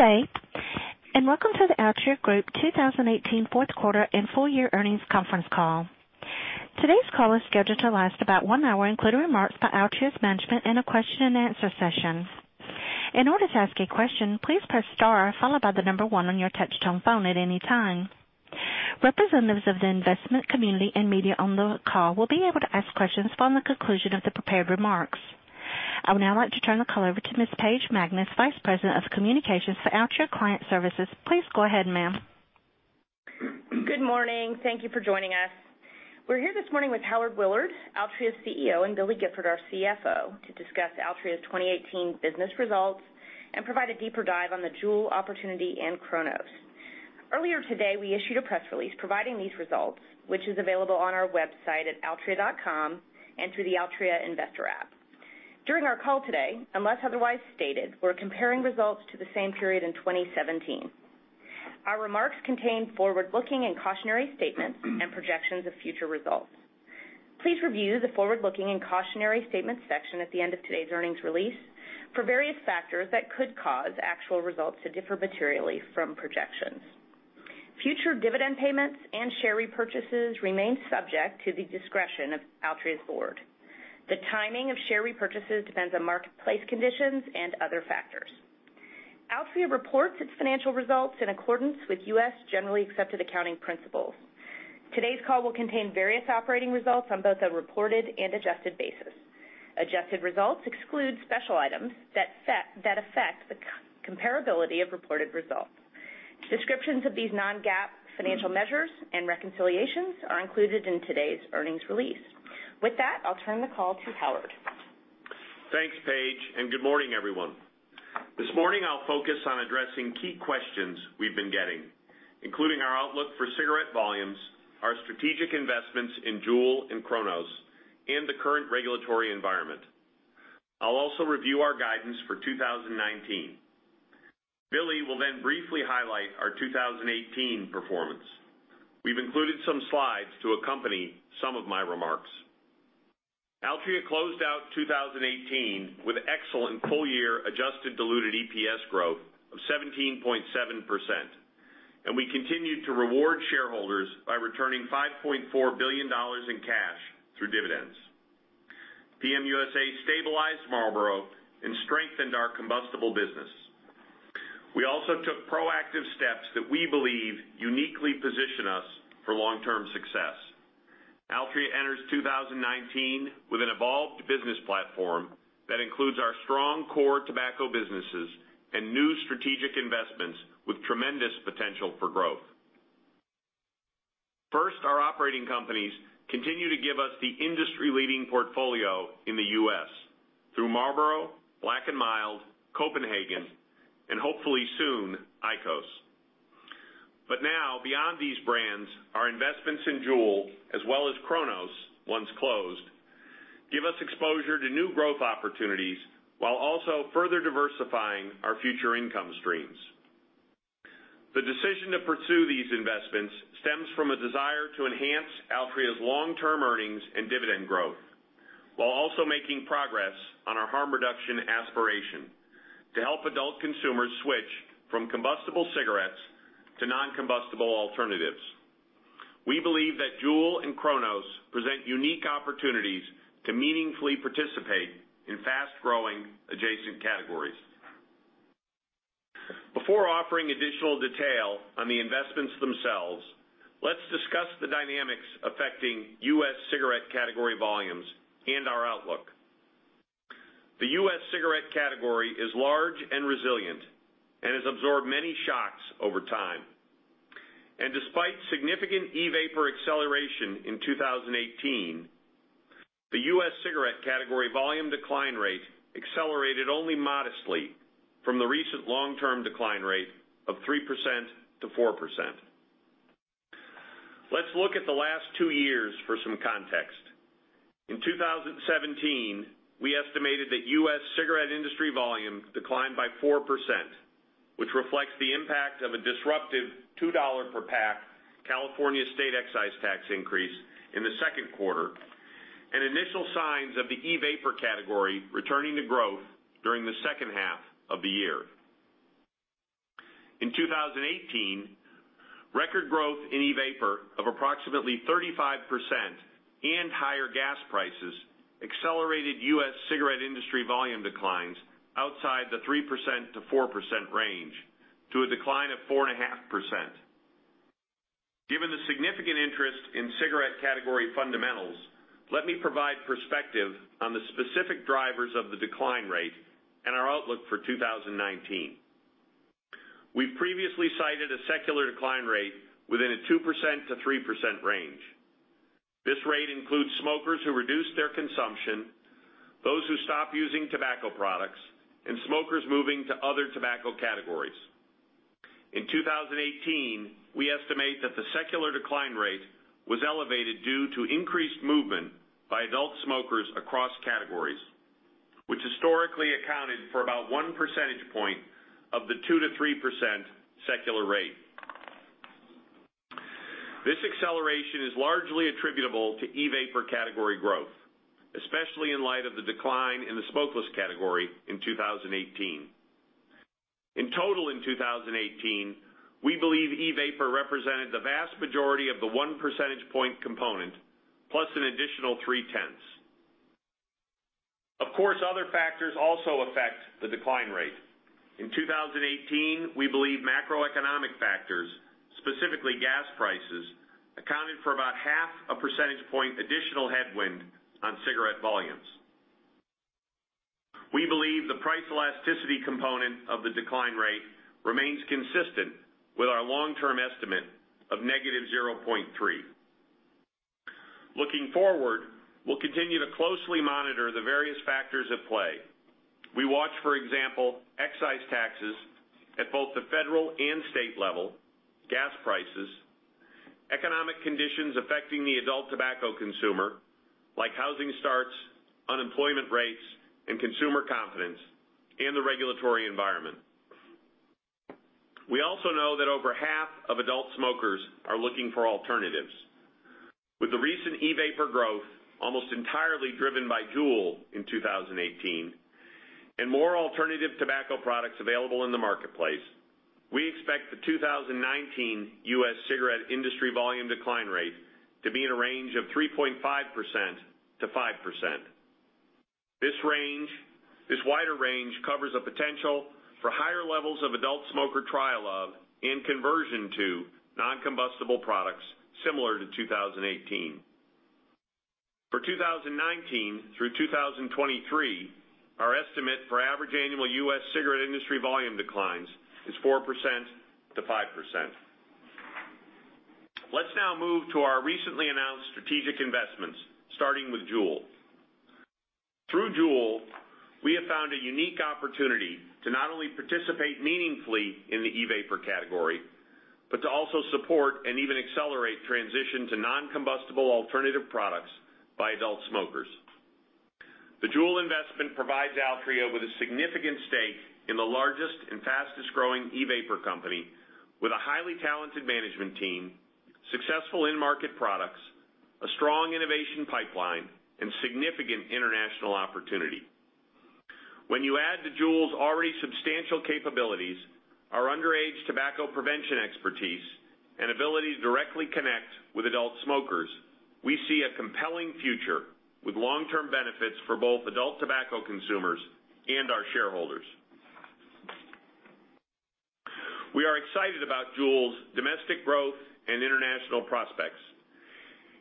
Good day. Welcome to the Altria Group 2018 fourth quarter and full year earnings conference call. Today's call is scheduled to last about one hour, including remarks by Altria's management and a question and answer session. In order to ask a question, please press star followed by the number one on your touch-tone phone at any time. Representatives of the investment community and media on the call will be able to ask questions following the conclusion of the prepared remarks. I would now like to turn the call over to Ms. Paige Magness, Vice President of Communications for Altria Client Services. Please go ahead, ma'am. Good morning. Thank you for joining us. We're here this morning with Howard Willard, Altria's CEO, and Billy Gifford, our CFO, to discuss Altria's 2018 business results and provide a deeper dive on the JUUL opportunity and Cronos. Earlier today, we issued a press release providing these results, which is available on our website at altria.com and through the Altria investor app. During our call today, unless otherwise stated, we're comparing results to the same period in 2017. Our remarks contain forward-looking and cautionary statements and projections of future results. Please review the forward-looking and cautionary statements section at the end of today's earnings release for various factors that could cause actual results to differ materially from projections. Future dividend payments and share repurchases remain subject to the discretion of Altria's board. The timing of share repurchases depends on marketplace conditions and other factors. Altria reports its financial results in accordance with U.S. generally accepted accounting principles. Today's call will contain various operating results on both a reported and adjusted basis. Adjusted results exclude special items that affect the comparability of reported results. Descriptions of these non-GAAP financial measures and reconciliations are included in today's earnings release. With that, I'll turn the call to Howard. Thanks, Paige. Good morning, everyone. This morning I'll focus on addressing key questions we've been getting, including our outlook for cigarette volumes, our strategic investments in JUUL and Cronos, and the current regulatory environment. I'll also review our guidance for 2019. Billy will then briefly highlight our 2018 performance. We've included some slides to accompany some of my remarks. Altria closed out 2018 with excellent full year adjusted diluted EPS growth of 17.7%, and we continued to reward shareholders by returning $5.4 billion in cash through dividends. PM USA stabilized Marlboro and strengthened our combustible business. We also took proactive steps that we believe uniquely position us for long-term success. Altria enters 2019 with an evolved business platform that includes our strong core tobacco businesses and new strategic investments with tremendous potential for growth. First, our operating companies continue to give us the industry-leading portfolio in the U.S. through Marlboro, Black & Mild, Copenhagen, and hopefully soon, IQOS. Now, beyond these brands, our investments in JUUL as well as Cronos, once closed, give us exposure to new growth opportunities while also further diversifying our future income streams. The decision to pursue these investments stems from a desire to enhance Altria's long-term earnings and dividend growth while also making progress on our harm reduction aspiration to help adult consumers switch from combustible cigarettes to non-combustible alternatives. We believe that JUUL and Cronos present unique opportunities to meaningfully participate in fast-growing adjacent categories. Before offering additionail detail on the investments themselves, let's discuss the dynamics affecting U.S. cigarette category volumes and our outlook. The U.S. cigarette category is large and resilient and has absorbed many shocks over time. Despite significant e-vapor acceleration in 2018, the U.S. cigarette category volume decline rate accelerated only modestly from the recent long-term decline rate of 3%-4%. Let's look at the last two years for some context. In 2017, we estimated that U.S. cigarette industry volume declined by 4%, which reflects the impact of a disruptive $2 per pack California state excise tax increase in the second quarter, and initial signs of the e-vapor category returning to growth during the second half of the year. In 2018, record growth in e-vapor of approximately 35% and higher gas prices accelerated U.S. cigarette industry volume declines outside the 3%-4% range to a decline of 4.5%. Given the significant interest in cigarette category fundamentals, let me provide perspective on the specific drivers of the decline rate and our outlook for 2019. We've previously cited a secular decline rate within a 2%-3% range. This rate includes smokers who reduce their consumption, those who stop using tobacco products, and smokers moving to other tobacco categories. In 2018, we estimate that the secular decline rate was elevated due to increased movement by adult smokers across categories, which historically accounted for about 1 percentage point of the 2%-3% secular rate. This acceleration is largely attributable to e-vapor category growth, especially in light of the decline in the smokeless category in 2018. In total, in 2018, we believe e-vapor represented the vast majority of the 1 percentage point component, plus an additional 3/10. Of course, other factors also affect the decline rate. In 2018, we believe macroeconomic factors, specifically gas prices, accounted for about half a percentage point additional headwind on cigarette volumes. We believe the price elasticity component of the decline rate remains consistent with our long-term estimate of [-0.3 percentage points]. Looking forward, we'll continue to closely monitor the various factors at play. We watch, for example, excise taxes at both the federal and state level, gas prices, economic conditions affecting the adult tobacco consumer, like housing starts, unemployment rates, and consumer confidence, and the regulatory environment. We also know that over half of adult smokers are looking for alternatives. With the recent e-vapor growth almost entirely driven by JUUL in 2018, and more alternative tobacco products available in the marketplace, we expect the 2019 U.S. cigarette industry volume decline rate to be in a range of 3.5%-5%. This wider range covers a potential for higher levels of adult smoker trial of, and conversion to, non-combustible products similar to 2018. For 2019 through 2023, our estimate for average annual U.S. cigarette industry volume declines is 4%-5%. Let's now move to our recently announced strategic investments, starting with JUUL. Through JUUL, we have found a unique opportunity to not only participate meaningfully in the e-vapor category, but to also support and even accelerate transition to non-combustible alternative products by adult smokers. The JUUL investment provides Altria with a significant stake in the largest and fastest growing e-vapor company, with a highly talented management team, successful end market products, a strong innovation pipeline, and significant international opportunity. When you add to JUUL's already substantial capabilities, our underage tobacco prevention expertise, and ability to directly connect with adult smokers, we see a compelling future with long-term benefits for both adult tobacco consumers and our shareholders. We are excited about JUUL's domestic growth and international prospects,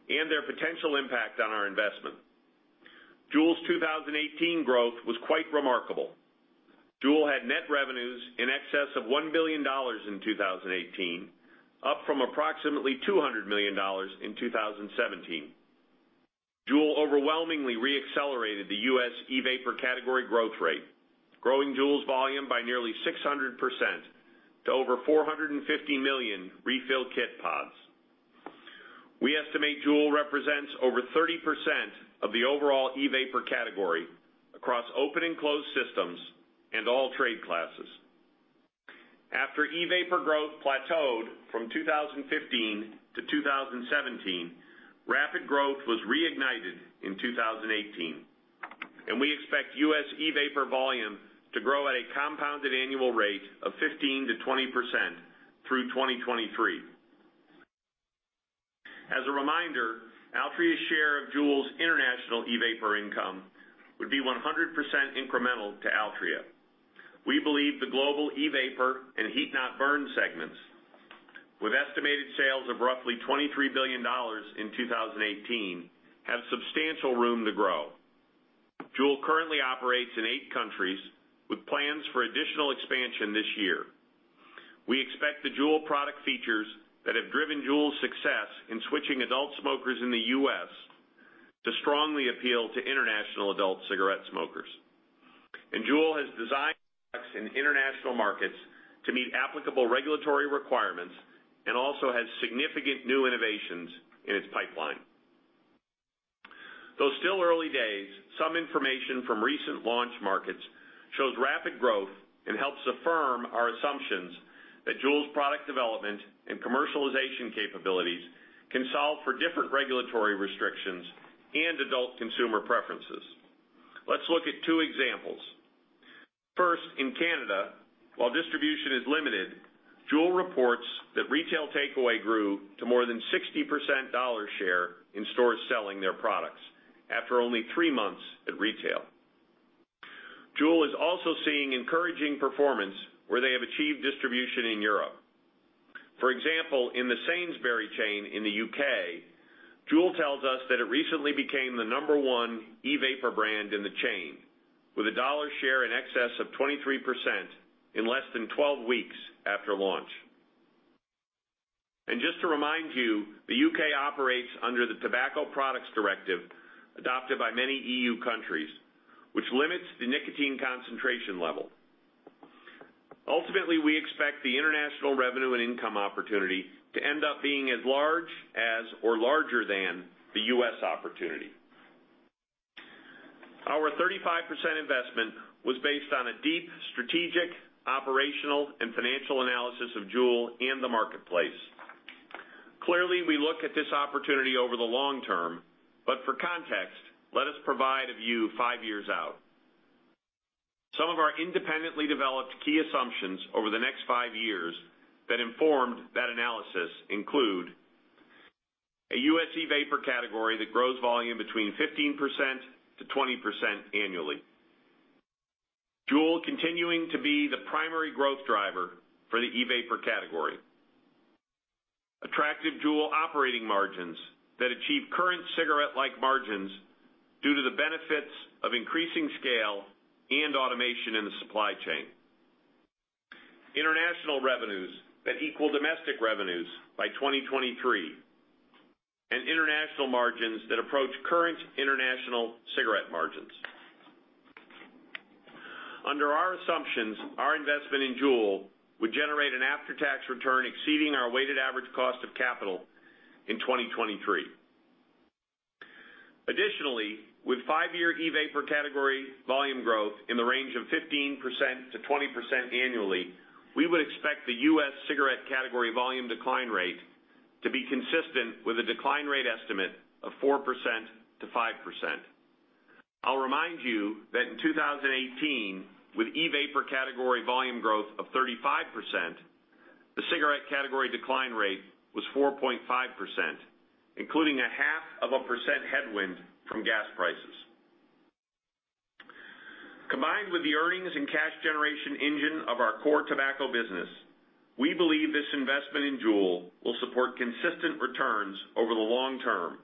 and their potential impact on our investment. JUUL's 2018 growth was quite remarkable. JUUL had net revenues in excess of $1 billion in 2018, up from approximately $200 million in 2017. JUUL overwhelmingly re-accelerated the U.S. e-vapor category growth rate, growing JUUL's volume by nearly 600% to over 450 million refill kit pods. We estimate JUUL represents over 30% of the overall e-vapor category across open and closed systems and all trade classes. After e-vapor growth plateaued from 2015 to 2017, rapid growth was reignited in 2018, and we expect U.S. e-vapor volume to grow at a compounded annual rate of 15%-20% through 2023. As a reminder, Altria's share of JUUL's international e-vapor income would be 100% incremental to Altria. We believe the global e-vapor and heat-not-burn segments, with estimated sales of roughly $23 billion in 2018, have substantial room to grow. JUUL currently operates in eight countries with plans for additional expansion this year. We expect the JUUL product features that have driven JUUL's success in switching adult smokers in the U.S. to strongly appeal to international adult cigarette smokers. JUUL has designed products in international markets to meet applicable regulatory requirements and also has significant new innovations in its pipeline. Though still early days, some information from recent launch markets shows rapid growth and helps affirm our assumptions that JUUL's product development and commercialization capabilities can solve for different regulatory restrictions and adult consumer preferences. Let's look at two examples. First, in Canada, while distribution is limited, JUUL reports that retail takeaway grew to more than 60% dollar share in stores selling their products after only three months at retail. JUUL is also seeing encouraging performance where they have achieved distribution in Europe. For example, in the Sainsbury chain in the U.K., JUUL tells us that it recently became the number one e-vapor brand in the chain, with a dollar share in excess of 23% in less than 12 weeks after launch. Just to remind you, the U.K. operates under the Tobacco Products Directive adopted by many EU countries, which limits the nicotine concentration level. Ultimately, we expect the international revenue and income opportunity to end up being as large as or larger than the U.S. opportunity. Our 35% investment was based on a deep strategic, operational, and financial analysis of JUUL and the marketplace. Clearly, we look at this opportunity over the long term. For context, let us provide a view five years out. Some of our independently developed key assumptions over the next five years that informed that analysis include a U.S. e-vapor category that grows volume between 15%-20% annually. JUUL continuing to be the primary growth driver for the e-vapor category. Attractive JUUL operating margins that achieve current cigarette-like margins due to the benefits of increasing scale and automation in the supply chain. International revenues that equal domestic revenues by 2023, and international margins that approach current international cigarette margins. Under our assumptions, our investment in JUUL would generate an after-tax return exceeding our weighted average cost of capital in 2023. Additionally, with five-year e-vapor category volume growth in the range of 15%-20% annually, we would expect the U.S. cigarette category volume decline rate to be consistent with a decline rate estimate of 4%-5%. I'll remind you that in 2018, with e-vapor category volume growth of 35%, the cigarette category decline rate was 4.5%, including a half of a percent headwind from gas prices. Combined with the earnings and cash generation engine of our core tobacco business, we believe this investment in JUUL will support consistent returns over the long term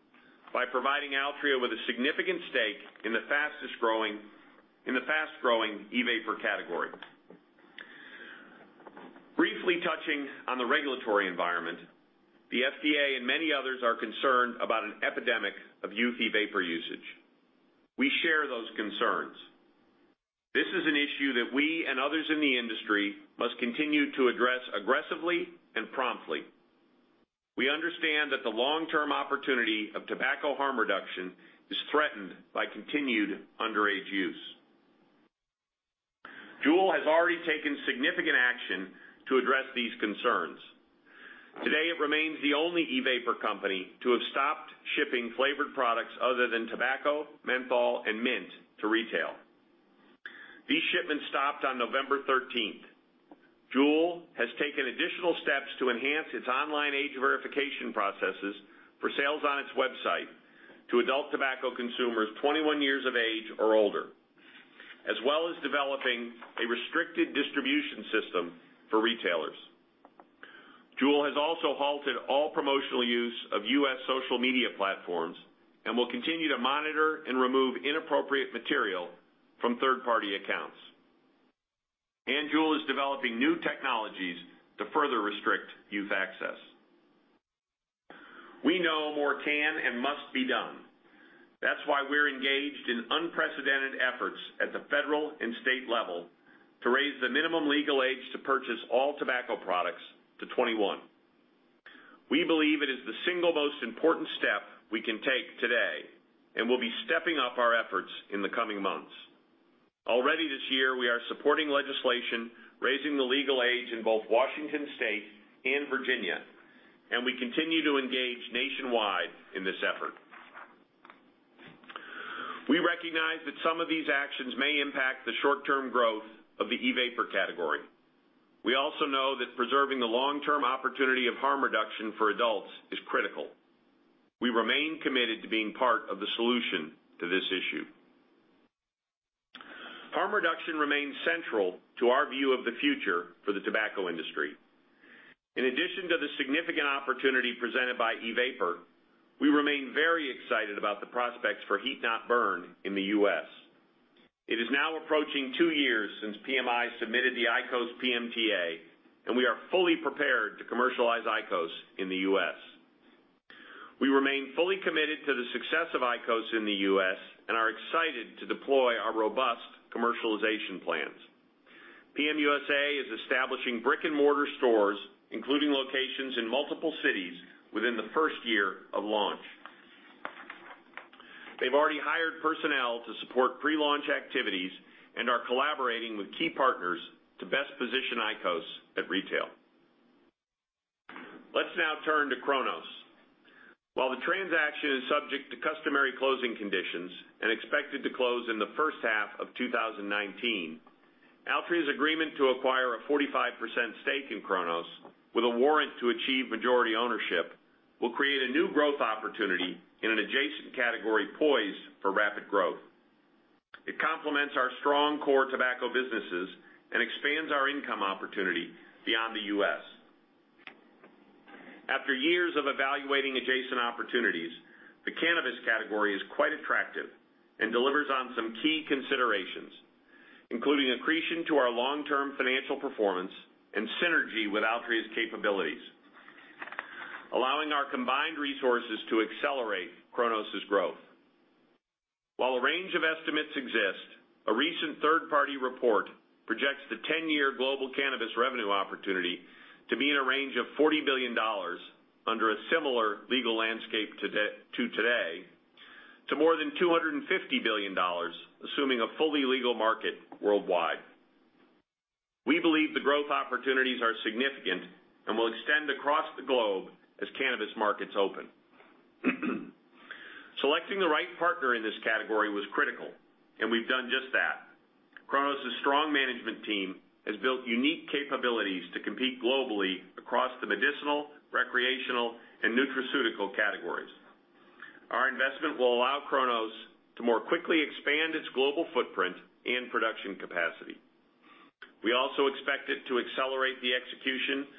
by providing Altria with a significant stake in the fast-growing e-vapor category. Briefly touching on the regulatory environment, the FDA and many others are concerned about an epidemic of youth e-vapor usage. We share those concerns. This is an issue that we and others in the industry must continue to address aggressively and promptly. We understand that the long-term opportunity of tobacco harm reduction is threatened by continued underage use. JUUL has already taken significant action to address these concerns. Today, it remains the only e-vapor company to have stopped shipping flavored products other than tobacco, menthol, and mint to retail. These shipments stopped on November 13th. JUUL has taken additional steps to enhance its online age verification processes for sales on its website to adult tobacco consumers 21 years of age or older, as well as developing a restricted distribution system for retailers. JUUL has also halted all promotional use of U.S. social media platforms and will continue to monitor and remove inappropriate material from third-party accounts. JUUL is developing new technologies to further restrict youth access. We know more can and must be done. That's why we're engaged in unprecedented efforts at the federal and state level to raise the minimum legal age to purchase all tobacco products to 21 years. We believe it is the single most important step we can take today. We'll be stepping up our efforts in the coming months. Already this year, we are supporting legislation raising the legal age in both Washington State and Virginia. We continue to engage nationwide in this effort. We recognize that some of these actions may impact the short-term growth of the e-vapor category. We also know that preserving the long-term opportunity of harm reduction for adults is critical. We remain committed to being part of the solution to this issue. Harm reduction remains central to our view of the future for the tobacco industry. In addition to the significant opportunity presented by e-vapor, we remain very excited about the prospects for heat-not-burn in the U.S. It is now approaching two years since PMI submitted the IQOS PMTA. We are fully prepared to commercialize IQOS in the U.S. We remain fully committed to the success of IQOS in the U.S. and are excited to deploy our robust commercialization plans. PM USA is establishing brick-and-mortar stores, including locations in multiple cities within the first year of launch. They've already hired personnel to support pre-launch activities and are collaborating with key partners to best position IQOS at retail. Let's now turn to Cronos. While the transaction is subject to customary closing conditions and expected to close in the first half of 2019, Altria's agreement to acquire a 45% stake in Cronos with a warrant to achieve majority ownership will create a new growth opportunity in an adjacent category poised for rapid growth. It complements our strong core tobacco businesses and expands our income opportunity beyond the U.S. After years of evaluating adjacent opportunities, the cannabis category is quite attractive and delivers on some key considerations, including accretion to our long-term financial performance and synergy with Altria's capabilities, allowing our combined resources to accelerate Cronos' growth. While a range of estimates exist. Third-party report projects the 10-year global cannabis revenue opportunity to be in a range of $40 billion under a similar legal landscape to today, to more than $250 billion, assuming a fully legal market worldwide. We believe the growth opportunities are significant and will extend across the globe as cannabis markets open. Selecting the right partner in this category was critical. We've done just that. Cronos' strong management team has built unique capabilities to compete globally across the medicinal, recreational, and nutraceutical categories. Our investment will allow Cronos to more quickly expand its global footprint and production capacity. We also expect it to accelerate the execution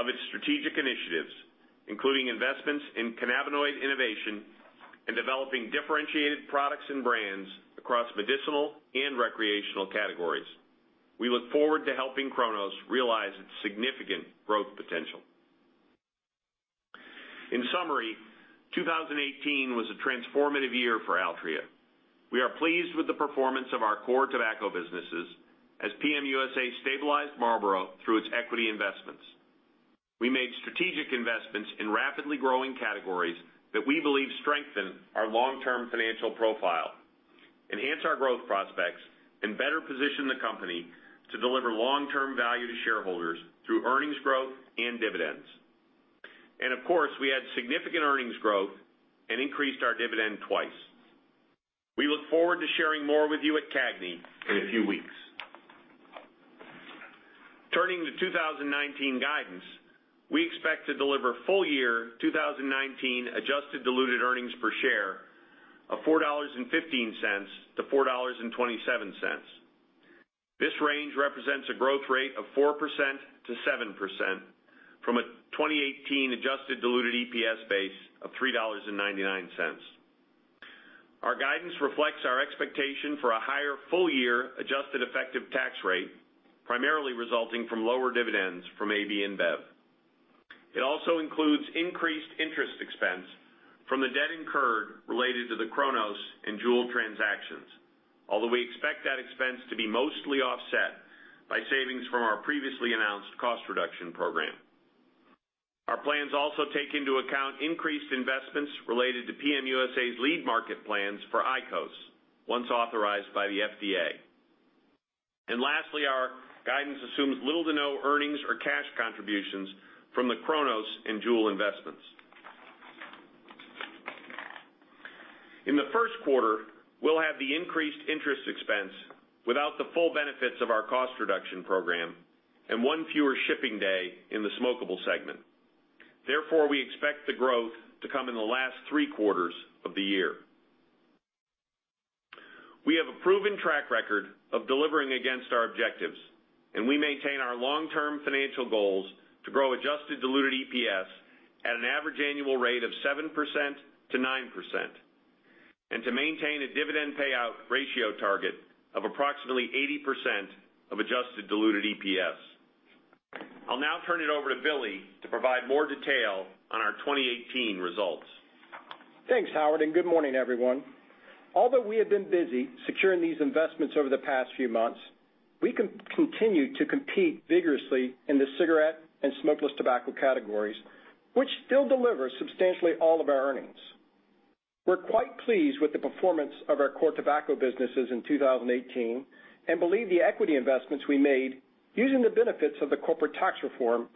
of its strategic initiatives, including investments in cannabinoid innovation and developing differentiated products and brands across medicinal and recreational categories. We look forward to helping Cronos realize its significant growth potential. In summary, 2018 was a transformative year for Altria. We are pleased with the performance of our core tobacco businesses as PM USA stabilized Marlboro through its equity investments. We made strategic investments in rapidly growing categories that we believe strengthen our long-term financial profile, enhance our growth prospects, and better position the company to deliver long-term value to shareholders through earnings growth and dividends. Of course, we had significant earnings growth and increased our dividend twice. We look forward to sharing more with you at CAGNY in a few weeks. Turning to 2019 guidance, we expect to deliver full-year 2019 adjusted diluted EPS of $4.15-$4.27. This range represents a growth rate of 4%-7% from a 2018 adjusted diluted EPS base of $3.99. Our guidance reflects our expectation for a higher full-year adjusted effective tax rate, primarily resulting from lower dividends from AB InBev. It also includes increased interest expense from the debt incurred related to the Cronos and JUUL transactions, although we expect that expense to be mostly offset by savings from our previously announced cost reduction program. Our plans also take into account increased investments related to PM USA's lead market plans for IQOS, once authorized by the FDA. Lastly, our guidance assumes little to no earnings or cash contributions from the Cronos and JUUL investments. In the first quarter, we'll have the increased interest expense without the full benefits of our cost reduction program and one fewer shipping day in the smokable segment. Therefore, we expect the growth to come in the last three quarters of the year. We have a proven track record of delivering against our objectives. We maintain our long-term financial goals to grow adjusted diluted EPS at an average annual rate of 7%-9%, and to maintain a dividend payout ratio target of approximately 80% of adjusted diluted EPS. I'll now turn it over to Billy to provide more detail on our 2018 results. Thanks, Howard, and good morning, everyone. Although we have been busy securing these investments over the past few months, we continue to compete vigorously in the cigarette and smokeless tobacco categories, which still deliver substantially all of our earnings. We're quite pleased with the performance of our core tobacco businesses in 2018 and believe the equity investments we made using the benefits of the corporate tax reform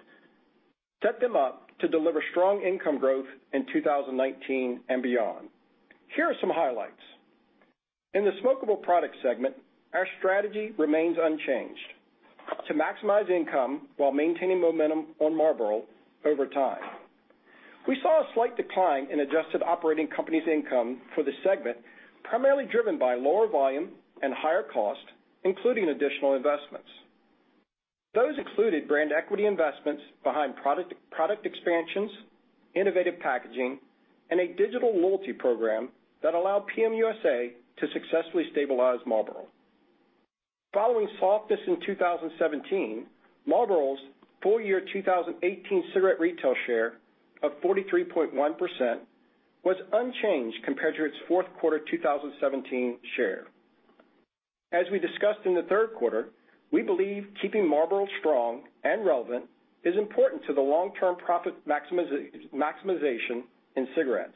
set them up to deliver strong income growth in 2019 and beyond. Here are some highlights. In the smokable product segment, our strategy remains unchanged. To maximize income while maintaining momentum on Marlboro over time. We saw a slight decline in adjusted operating companies income for the segment, primarily driven by lower volume and higher cost, including additional investments. Those included brand equity investments behind product expansions, innovative packaging, and a digital loyalty program that allowed PM USA to successfully stabilize Marlboro. Following softness in 2017, Marlboro's full-year 2018 cigarette retail share of 43.1% was unchanged compared to its fourth quarter 2017 share. As we discussed in the third quarter, we believe keeping Marlboro strong and relevant is important to the long-term profit maximization in cigarettes.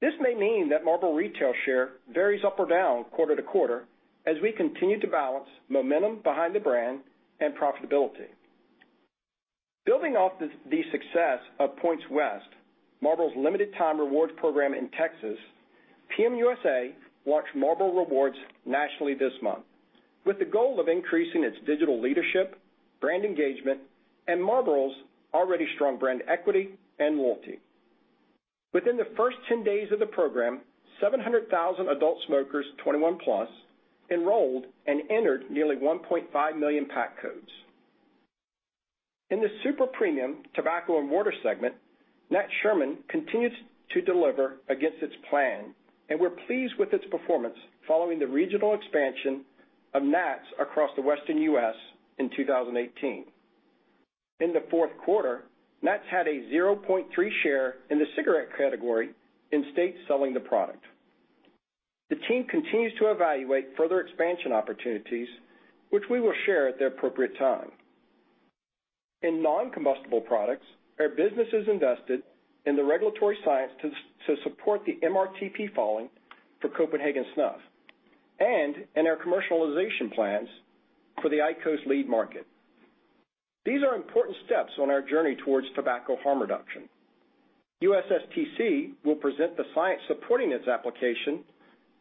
This may mean that Marlboro retail share varies up or down quarter to quarter as we continue to balance momentum behind the brand and profitability. Building off the success of Points West, Marlboro's limited-time rewards program in Texas, PM USA launched Marlboro Rewards nationally this month with the goal of increasing its digital leadership, brand engagement, and Marlboro's already strong brand equity and loyalty. Within the first 10 days of the program, 700,000 adult smokers 21+ years enrolled and entered nearly 1.5 million pack codes. In the super-premium tobacco and water segment, Nat Sherman continues to deliver against its plan, and we're pleased with its performance following the regional expansion of Nat's across the Western U.S. in 2018. In the fourth quarter, Nat's had a 0.3% share in the cigarette category in states selling the product. The team continues to evaluate further expansion opportunities, which we will share at the appropriate time. In non-combustible products, our business has invested in the regulatory science to support the MRTP filing for Copenhagen Snuff and in our commercialization plans for the IQOS lead market. These are important steps on our journey towards tobacco harm reduction. USSTC will present the science supporting its application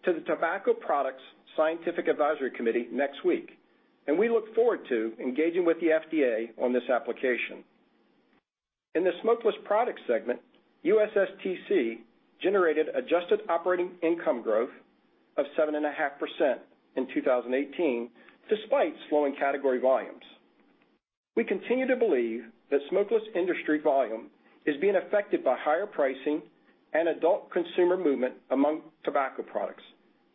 to the Tobacco Products Scientific Advisory Committee next week, and we look forward to engaging with the FDA on this application. In the smokeless product segment, USSTC generated adjusted operating income growth of 7.5% in 2018, despite slowing category volumes. We continue to believe that smokeless industry volume is being affected by higher pricing and adult consumer movement among tobacco products,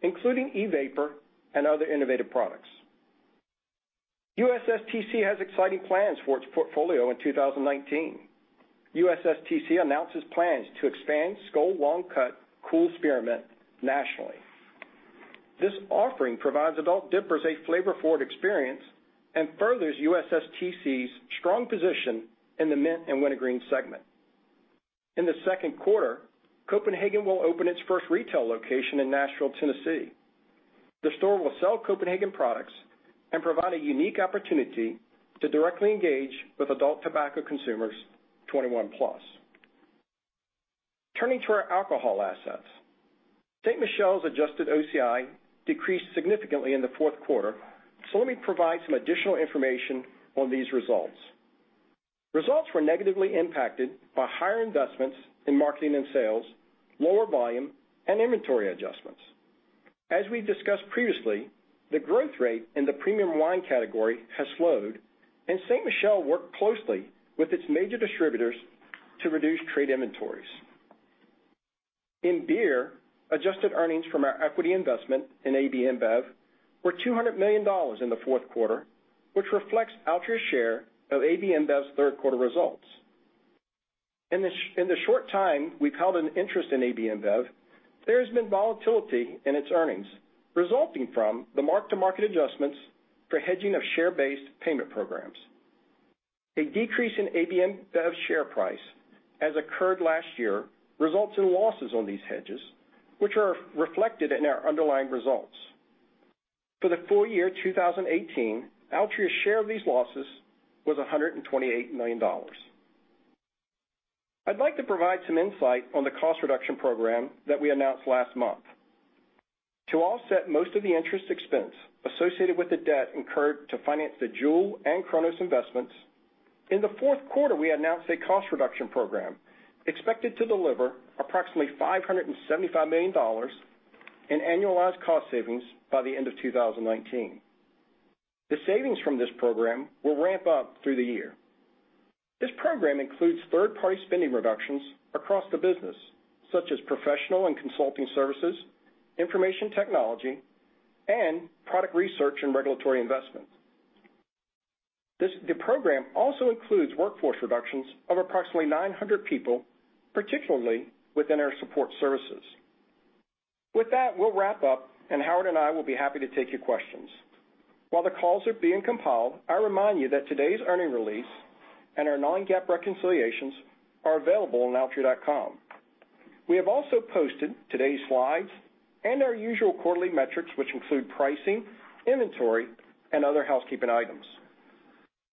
including e-vapor and other innovative products. USSTC has exciting plans for its portfolio in 2019. USSTC announces plans to expand Skoal Long Cut Cool Spearmint nationally. This offering provides adult dippers a flavor-forward experience and furthers USSTC's strong position in the mint and wintergreen segment. In the second quarter, Copenhagen will open its first retail location in Nashville, Tennessee. The store will sell Copenhagen products and provide a unique opportunity to directly engage with adult tobacco consumers 21+ years. Turning to our alcohol assets. Ste. Michelle's adjusted OCI decreased significantly in the fourth quarter, so let me provide some additional information on these results. Results were negatively impacted by higher investments in marketing and sales, lower volume, and inventory adjustments. As we've discussed previously, the growth rate in the premium wine category has slowed, and Ste. Michelle worked closely with its major distributors to reduce trade inventories. In beer, adjusted earnings from our equity investment in AB InBev were $200 million in the fourth quarter, which reflects Altria's share of AB InBev's third quarter results. In the short time we've held an interest in AB InBev, there has been volatility in its earnings, resulting from the mark-to-market adjustments for hedging of share-based payment programs. A decrease in AB InBev's share price, as occurred last year, results in losses on these hedges, which are reflected in our underlying results. For the full year 2018, Altria's share of these losses was $128 million. I'd like to provide some insight on the cost reduction program that we announced last month. To offset most of the interest expense associated with the debt incurred to finance the JUUL and Cronos investments, in the fourth quarter, we announced a cost reduction program expected to deliver approximately $575 million in annualized cost savings by the end of 2019. The savings from this program will ramp up through the year. This program includes third-party spending reductions across the business, such as professional and consulting services, information technology, and product research and regulatory investments. The program also includes workforce reductions of approximately 900 people, particularly within our support services. With that, we'll wrap up, and Howard and I will be happy to take your questions. While the calls are being compiled, I remind you that today's earning release and our non-GAAP reconciliations are available on altria.com. We have also posted today's slides and our usual quarterly metrics, which include pricing, inventory, and other housekeeping items.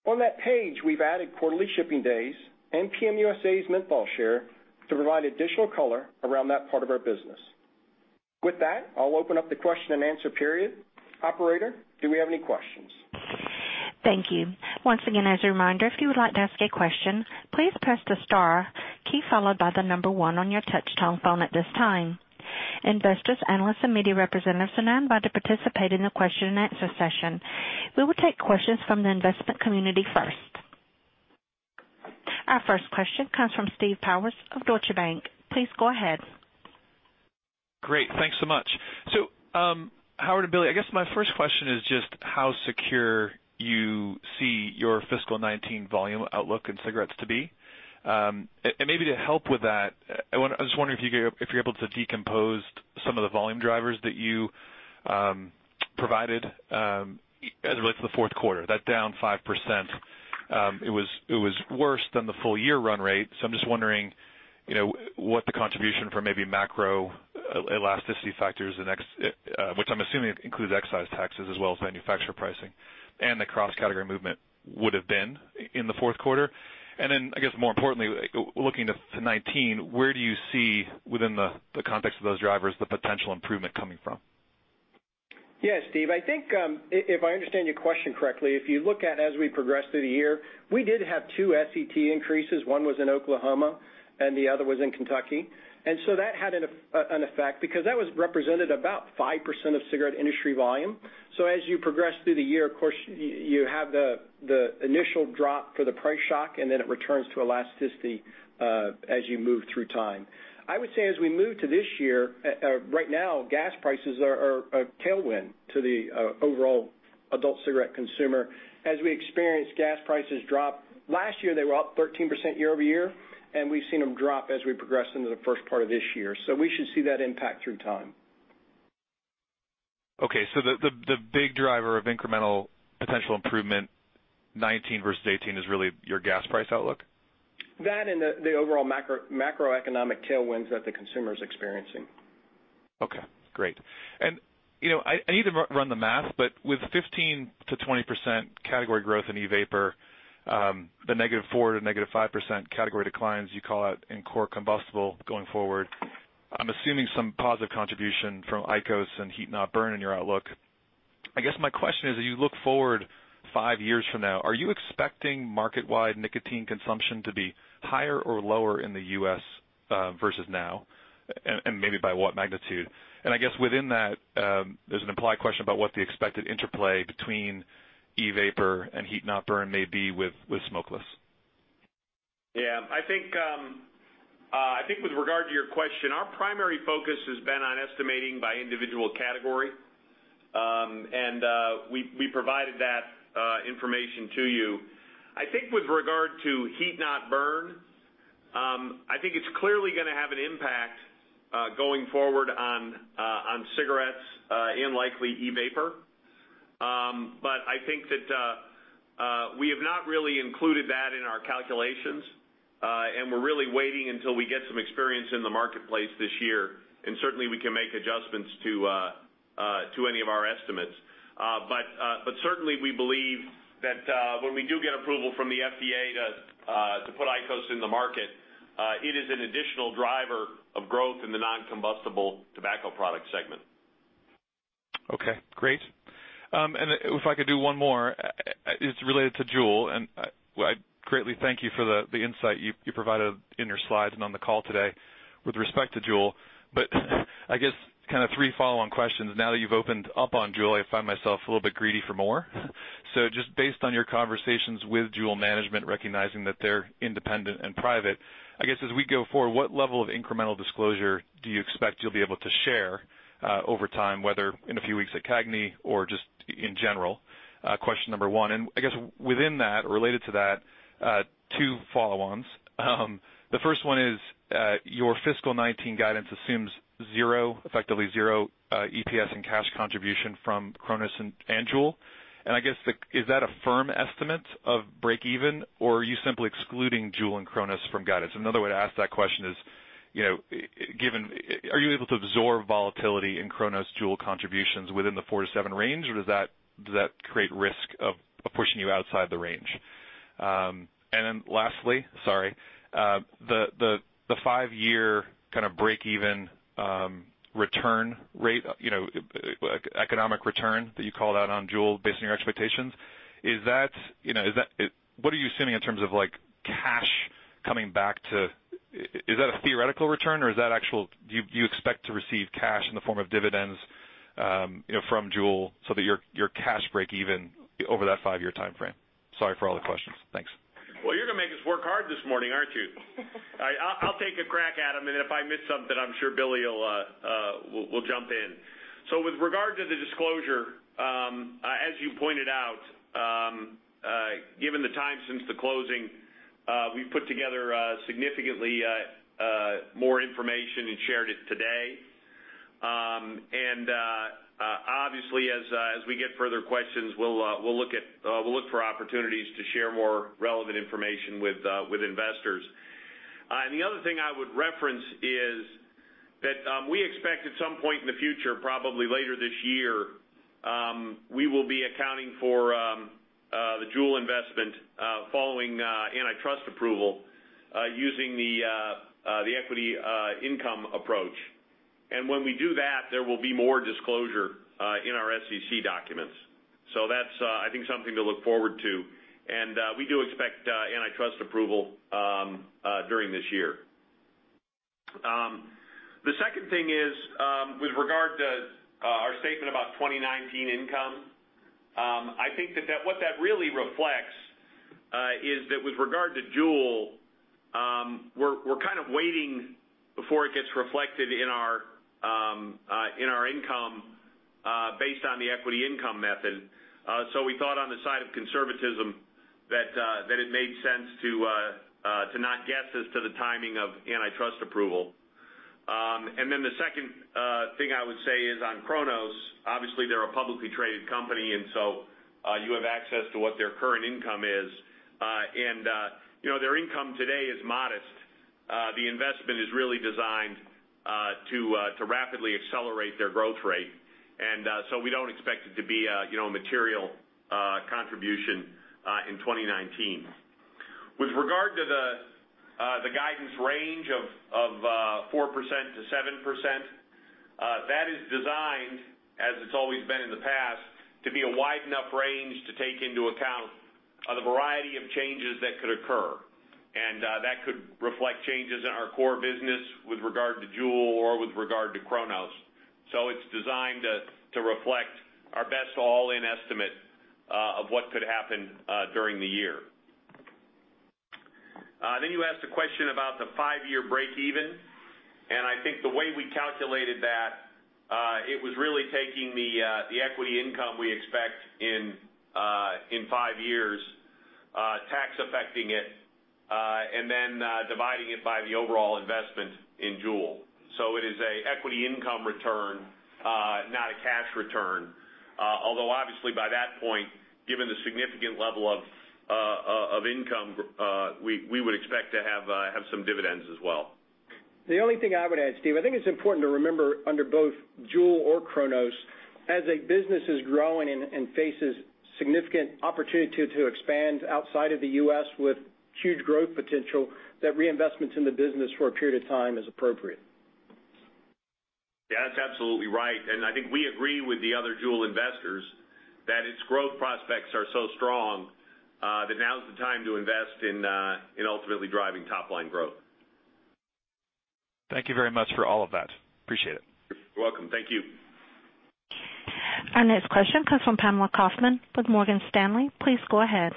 On that page, we've added quarterly shipping days and PM USA's menthol share to provide additional color around that part of our business. With that, I'll open up the question and answer period. Operator, do we have any questions? Thank you. Once again, as a reminder, if you would like to ask a question, please press the star key followed by the number one on your touchtone phone at this time. Investors, analysts, and media representatives are now invited to participate in the question and answer session. We will take questions from the investment community first. Our first question comes from Steve Powers of Deutsche Bank. Please go ahead. Great. Thanks so much. Howard and Billy, I guess my first question is just how secure you see your fiscal 2019 volume outlook in cigarettes to be. Maybe to help with that, I was just wondering if you're able to decompose some of the volume drivers that you provided as it relates to the fourth quarter. That down 5%, it was worse than the full year run rate. I'm just wondering what the contribution for maybe macro elasticity factors, which I'm assuming includes excise taxes as well as manufacturer pricing and the cross-category movement would've been in the fourth quarter. Then I guess more importantly, looking to 2019, where do you see within the context of those drivers, the potential improvement coming from? Yes, Steve, I think, if I understand your question correctly, if you look at as we progress through the year, we did have two SET increases. One was in Oklahoma and the other was in Kentucky. That had an effect because that was represented about 5% of cigarette industry volume. As you progress through the year, of course, you have the initial drop for the price shock, and then it returns to elasticity as you move through time. I would say as we move to this year, right now, gas prices are a tailwind to the overall adult cigarette consumer. As we experience gas prices drop, last year they were up 13% year-over-year, and we've seen them drop as we progress into the first part of this year. We should see that impact through time. Okay, the big driver of incremental potential improvement, 2019 versus 2018, is really your gas price outlook? That the overall macroeconomic tailwinds that the consumer's experiencing. Okay, great. I need to run the math, with 15%-20% category growth in e-vapor, the -4% to -5% category declines you call out in core combustible going forward, I'm assuming some positive contribution from IQOS and heat-not-burn in your outlook. I guess my question is, as you look forward five years from now, are you expecting market-wide nicotine consumption to be higher or lower in the U.S. versus now, and maybe by what magnitude? I guess within that, there's an implied question about what the expected interplay between e-vapor and heat-not-burn may be with smokeless. Yeah, I think with regard to your question, our primary focus has been on estimating by individual category, we provided that information to you. I think with regard to heat-not-burn, I think it's clearly going to have an impact going forward on cigarettes and likely e-vapor. I think that we have not really included that in our calculations, we're really waiting until we get some experience in the marketplace this year, certainly we can make adjustments to any of our estimates. Certainly, we believe that when we do get approval from the FDA to put IQOS in the market, it is an additional driver of growth in the non-combustible tobacco product segment. Okay, great. If I could do one more, it's related to JUUL, and I greatly thank you for the insight you provided in your slides and on the call today with respect to JUUL. I guess three follow-on questions. Now that you've opened up on JUUL, I find myself a little bit greedy for more. Just based on your conversations with JUUL management, recognizing that they're independent and private, I guess as we go forward, what level of incremental disclosure do you expect you'll be able to share over time, whether in a few weeks at CAGNY or just in general? Question number one. I guess within that or related to that, two follow-ons. The first one is, your fiscal 2019 guidance assumes effectively zero EPS and cash contribution from Cronos Group and JUUL. I guess, is that a firm estimate of break even, or are you simply excluding JUUL and Cronos Group from guidance? Another way to ask that question is, are you able to absorb volatility in Cronos Group-JUUL contributions within the 4%-7% range, or does that create risk of pushing you outside the range? Lastly, sorry, the five-year break-even return rate, economic return that you called out on JUUL based on your expectations. What are you assuming in terms of cash coming back to? Is that a theoretical return, or do you expect to receive cash in the form of dividends from JUUL so that your cash break even over that five-year timeframe? Sorry for all the questions. Thanks. Well, you're going to make us work hard this morning, aren't you? I'll take a crack at them, and if I miss something, I'm sure Billy will jump in. With regard to the disclosure, as you pointed out, given the time since the closing, we've put together significantly more information and shared it today. Obviously, as we get further questions, we'll look for opportunities to share more relevant information with investors. The other thing I would reference is that we expect at some point in the future, probably later this year, we will be accounting for the JUUL investment following antitrust approval using the equity income approach. When we do that, there will be more disclosure in our SEC documents. That's, I think, something to look forward to, and we do expect antitrust approval during this year. The second thing is, with regard to our statement about 2019 income, I think that what that really reflects is that with regard to JUUL, we're kind of waiting before it gets reflected in our income based on the equity income method. We thought on the side of conservatism that it made sense to not guess as to the timing of antitrust approval. The second thing I would say is on [Cronos]. Obviously, they're a publicly traded company, so you have access to what their current income is. Their income today is modest. The investment is really designed to rapidly accelerate their growth rate, so we don't expect it to be a material contribution in 2019. With regard to the guidance range of 4%-7%, that is designed, as it's always been in the past, to be a wide enough range to take into account the variety of changes that could occur. That could reflect changes in our core business with regard to JUUL or with regard to Cronos. It's designed to reflect our best all-in estimate of what could happen during the year. You asked a question about the five-year breakeven, I think the way we calculated that, it was really taking the equity income we expect in five years, tax affecting it, and then dividing it by the overall investment in JUUL. It is an equity income return, not a cash return. Although obviously by that point, given the significant level of income, we would expect to have some dividends as well. The only thing I would add, Steve, I think it's important to remember under both JUUL or Cronos, as a business is growing and faces significant opportunity to expand outside of the U.S. with huge growth potential, that reinvestments in the business for a period of time is appropriate. Yeah, that's absolutely right. I think we agree with the other JUUL investors that its growth prospects are so strong that now is the time to invest in ultimately driving top-line growth. Thank you very much for all of that. Appreciate it. You're welcome. Thank you. Our next question comes from Pamela Kaufman with Morgan Stanley. Please go ahead.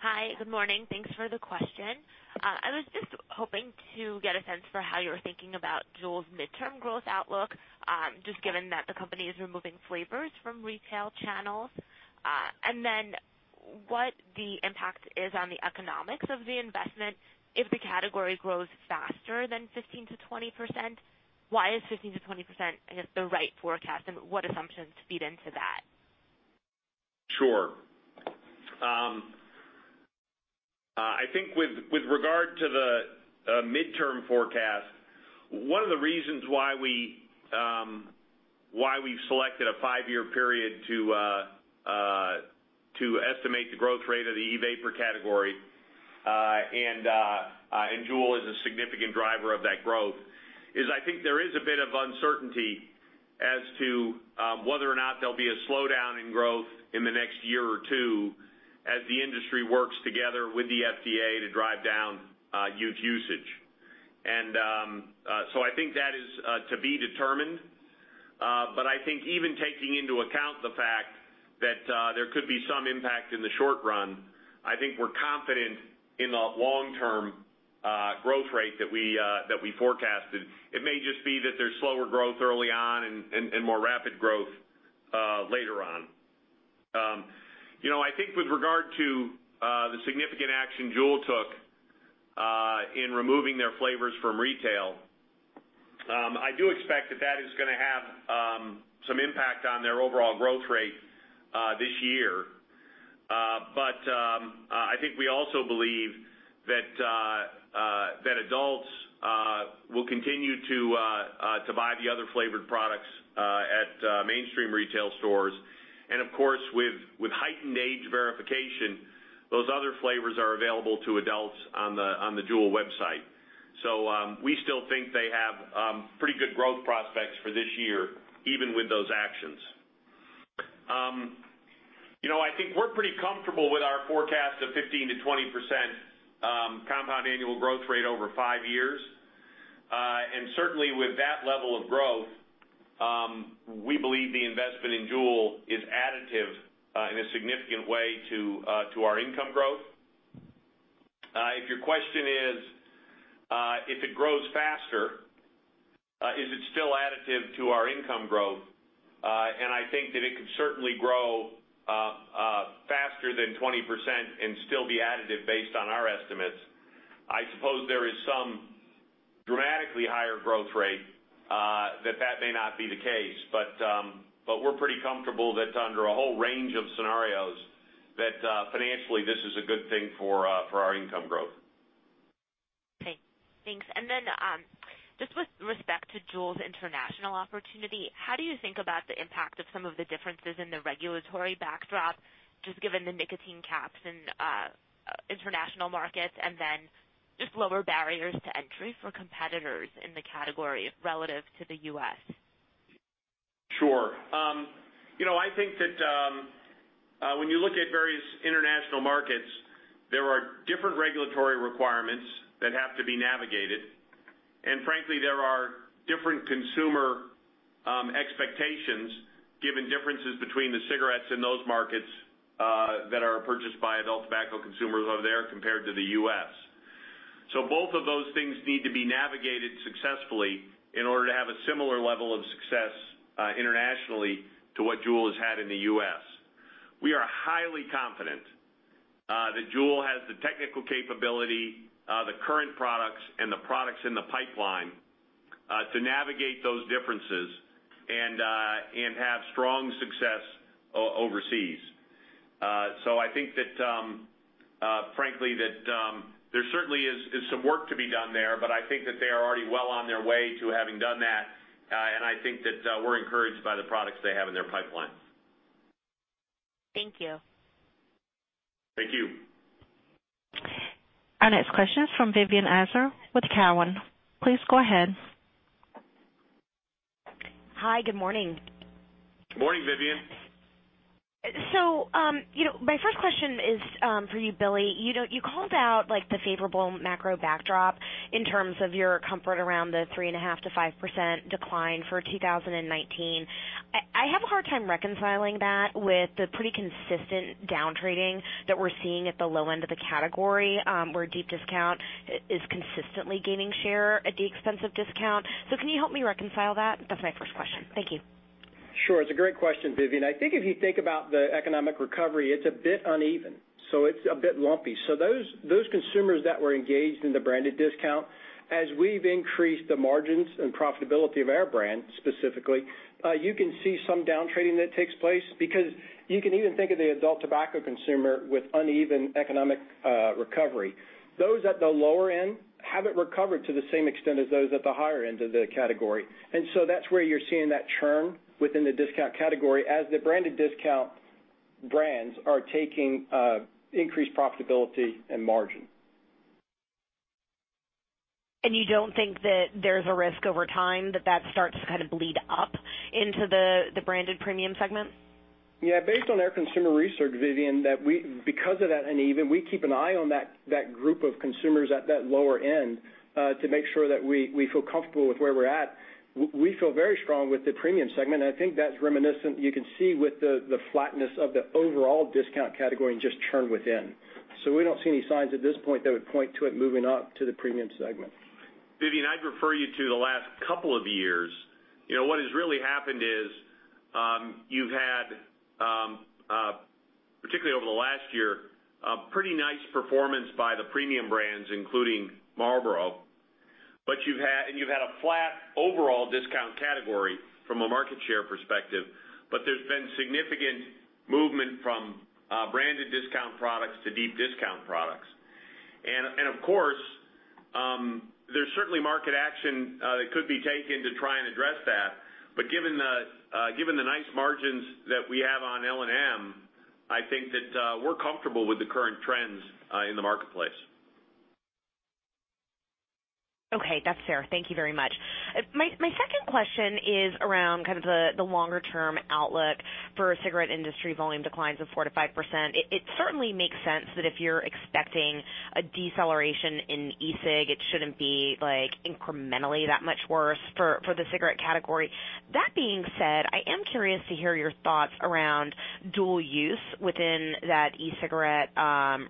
Hi. Good morning. Thanks for the question. I was just hoping to get a sense for how you're thinking about JUUL's midterm growth outlook, just given that the company is removing flavors from retail channels. What the impact is on the economics of the investment if the category grows faster than 15%-20%? Why is 15%-20%, I guess, the right forecast, and what assumptions feed into that? Sure. I think with regard to the midterm forecast, one of the reasons why we've selected a five-year period to estimate the growth rate of the e-vapor category, and JUUL is a significant driver of that growth, is I think there is a bit of uncertainty as to whether or not there'll be a slowdown in growth in the next year or two as the industry works together with the FDA to drive down youth usage. I think that is to be determined. I think even taking into account the fact that there could be some impact in the short run, I think we're confident in the long-term growth rate that we forecasted. It may just be that there's slower growth early on and more rapid growth later on. I think with regard to the significant action JUUL took in removing their flavors from retail, I do expect that that is going to have some impact on their overall growth rate this year. I think we also believe that adults will continue to buy the other flavored products at mainstream retail stores. Of course, with heightened age verification, those other flavors are available to adults on the JUUL website. We still think they have pretty good growth prospects for this year, even with those actions. I think we're pretty comfortable with our forecast of 15%-20% compound annual growth rate over five years. Certainly, with that level of growth, we believe the investment in JUUL is additive in a significant way to our income growth. If your question is, if it grows faster, is it still additive to our income growth? I think that it can certainly grow faster than 20% and still be additive based on our estimates. I suppose there is some dramatically higher growth rate that that may not be the case, we're pretty comfortable that under a whole range of scenarios, that financially this is a good thing for our income growth. Okay. Thanks. Then, just with respect to JUUL's international opportunity, how do you think about the impact of some of the differences in the regulatory backdrop, just given the nicotine caps in international markets, just lower barriers to entry for competitors in the category relative to the U.S.? Sure. I think that when you look at various international markets, there are different regulatory requirements that have to be navigated. Frankly, there are different consumer expectations given differences between the cigarettes in those markets that are purchased by adult tobacco consumers over there compared to the U.S. Both of those things need to be navigated successfully in order to have a similar level of success internationally to what JUUL has had in the U.S. We are highly confident that JUUL has the technical capability, the current products, and the products in the pipeline to navigate those differences and have strong success overseas. I think that frankly, that there certainly is some work to be done there, I think that they are already well on their way to having done that. I think that we're encouraged by the products they have in their pipeline. Thank you. Thank you. Our next question is from Vivien Azer with Cowen. Please go ahead. Hi. Good morning. Morning, Vivien. My first question is for you, Billy. You called out the favorable macro backdrop in terms of your comfort around the 3.5%-5% decline for 2019. I have a hard time reconciling that with the pretty consistent down trading that we're seeing at the low end of the category, where deep discount is consistently gaining share at the expense of discount. Can you help me reconcile that? That's my first question. Thank you. Sure. It's a great question, Vivien. I think if you think about the economic recovery, it's a bit uneven, so it's a bit lumpy. Those consumers that were engaged in the branded discount, as we've increased the margins and profitability of our brand specifically, you can see some down trading that takes place because you can even think of the adult tobacco consumer with uneven economic recovery. Those at the lower end haven't recovered to the same extent as those at the higher end of the category. That's where you're seeing that churn within the discount category as the branded discount brands are taking increased profitability and margin. You don't think that there's a risk over time that that starts to kind of bleed up into the branded premium segment? Based on our consumer research, Vivien, because of that uneven, we keep an eye on that group of consumers at that lower end, to make sure that we feel comfortable with where we're at. We feel very strong with the premium segment, and I think that's reminiscent, you can see with the flatness of the overall discount category and just churn within. We don't see any signs at this point that would point to it moving up to the premium segment. Vivien, I'd refer you to the last couple of years. What has really happened is, you've had, particularly over the last year, a pretty nice performance by the premium brands, including Marlboro, and you've had a flat overall discount category from a market share perspective. There's been significant movement from branded discount products to deep discount products. Of course, there's certainly market action that could be taken to try and address that. Given the nice margins that we have on L&M, I think that we're comfortable with the current trends in the marketplace. That's fair. Thank you very much. My second question is around the longer-term outlook for cigarette industry volume declines of 4%-5%. It certainly makes sense that if you're expecting a deceleration in e-cig, it shouldn't be incrementally that much worse for the cigarette category. That being said, I am curious to hear your thoughts around dual use within that e-cigarette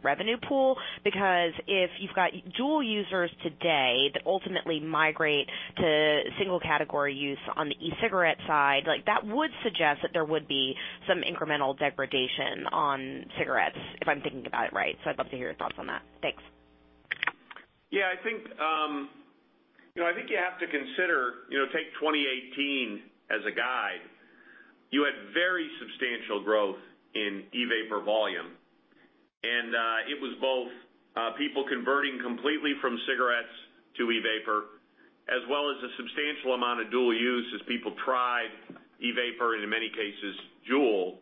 revenue pool. Because if you've got dual users today that ultimately migrate to single category use on the e-cigarette side, that would suggest that there would be some incremental degradation on cigarettes, if I'm thinking about it right. I'd love to hear your thoughts on that. Thanks. I think you have to consider, take 2018 as a guide. You had very substantial growth in e-vapor volume. It was both people converting completely from cigarettes to e-vapor, as well as a substantial amount of dual use as people tried e-vapor and in many cases JUUL,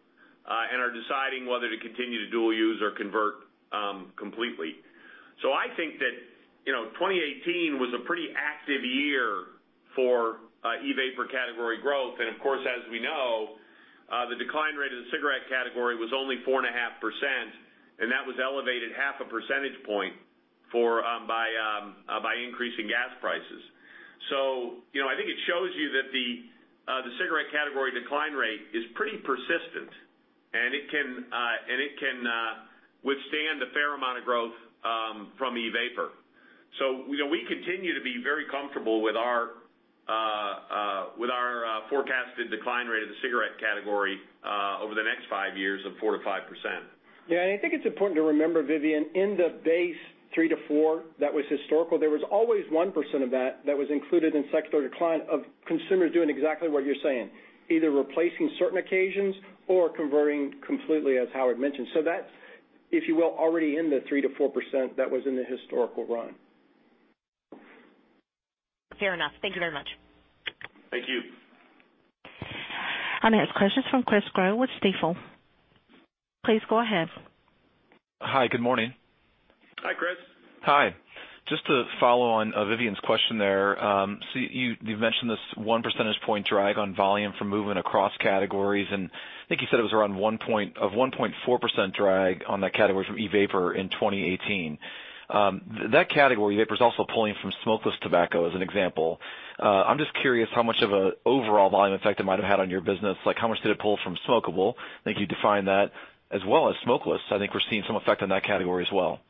and are deciding whether to continue to dual use or convert completely. I think that 2018 was a pretty active year for e-vapor category growth. Of course, as we know, the decline rate of the cigarette category was only 4.5%, and that was elevated half a percentage point by increasing gas prices. I think it shows you that the cigarette category decline rate is pretty persistent, and it can withstand a fair amount of growth from e-vapor. We continue to be very comfortable with our forecasted decline rate of the cigarette category over the next five years of 4%-5%. Yeah. I think it's important to remember, Vivien, in the base 3%-4% that was historical, there was always 1% of that that was included in secondary decline of consumers doing exactly what you're saying, either replacing certain occasions or converting completely, as Howard mentioned. That's, if you will, already in the 3%-4% that was in the historical run. Fair enough. Thank you very much. Thank you. I now have questions from Chris Growe with Stifel. Please go ahead. Hi. Good morning. Hi, Chris. Hi. Just to follow on Vivien's question there. You've mentioned this one percentage point drag on volume from movement across categories, and I think you said it was around 1.4% drag on that category from e-vapor in 2018. That category, vapor, is also pulling from smokeless tobacco, as an example. I'm just curious how much of an overall volume effect it might have had on your business. How much did it pull from smokable? I think you defined that as well as smokeless. I think we're seeing some effect on that category as well.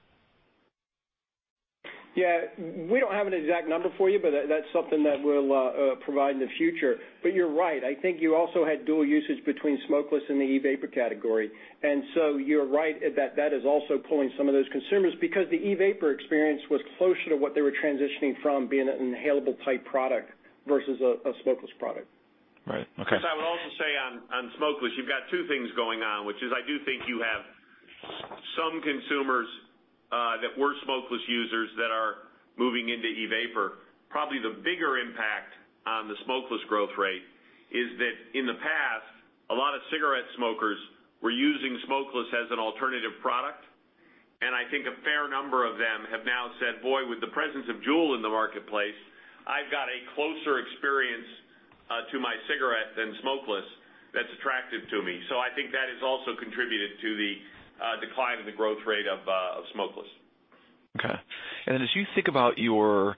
Yeah. We don't have an exact number for you, but that's something that we'll provide in the future. You're right. I think you also had dual usage between smokeless and the e-vapor category. You're right that that is also pulling some of those consumers because the e-vapor experience was closer to what they were transitioning from being an inhalable type product versus a smokeless product. Right. Okay. Chris, I would also say on smokeless, you've got two things going on, which is, I do think you have some consumers that were smokeless users that are moving into e-vapor. Probably the bigger impact on the smokeless growth rate is that in the past, a lot of cigarette smokers were using smokeless as an alternative product. I think a fair number of them have now said, boy, with the presence of JUUL in the marketplace, I've got a closer experience to my cigarette than smokeless that's attractive to me. I think that has also contributed to the decline in the growth rate of smokeless. Okay. As you think about your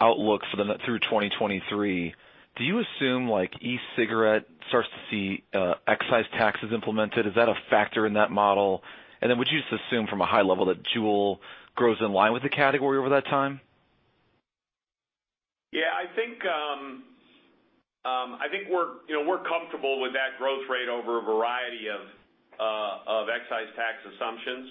outlook through 2023, do you assume e-cigarette starts to see excise taxes implemented? Is that a factor in that model? Would you just assume from a high level that JUUL grows in line with the category over that time? Yeah, I think we're comfortable with that growth rate over a variety of excise tax assumptions.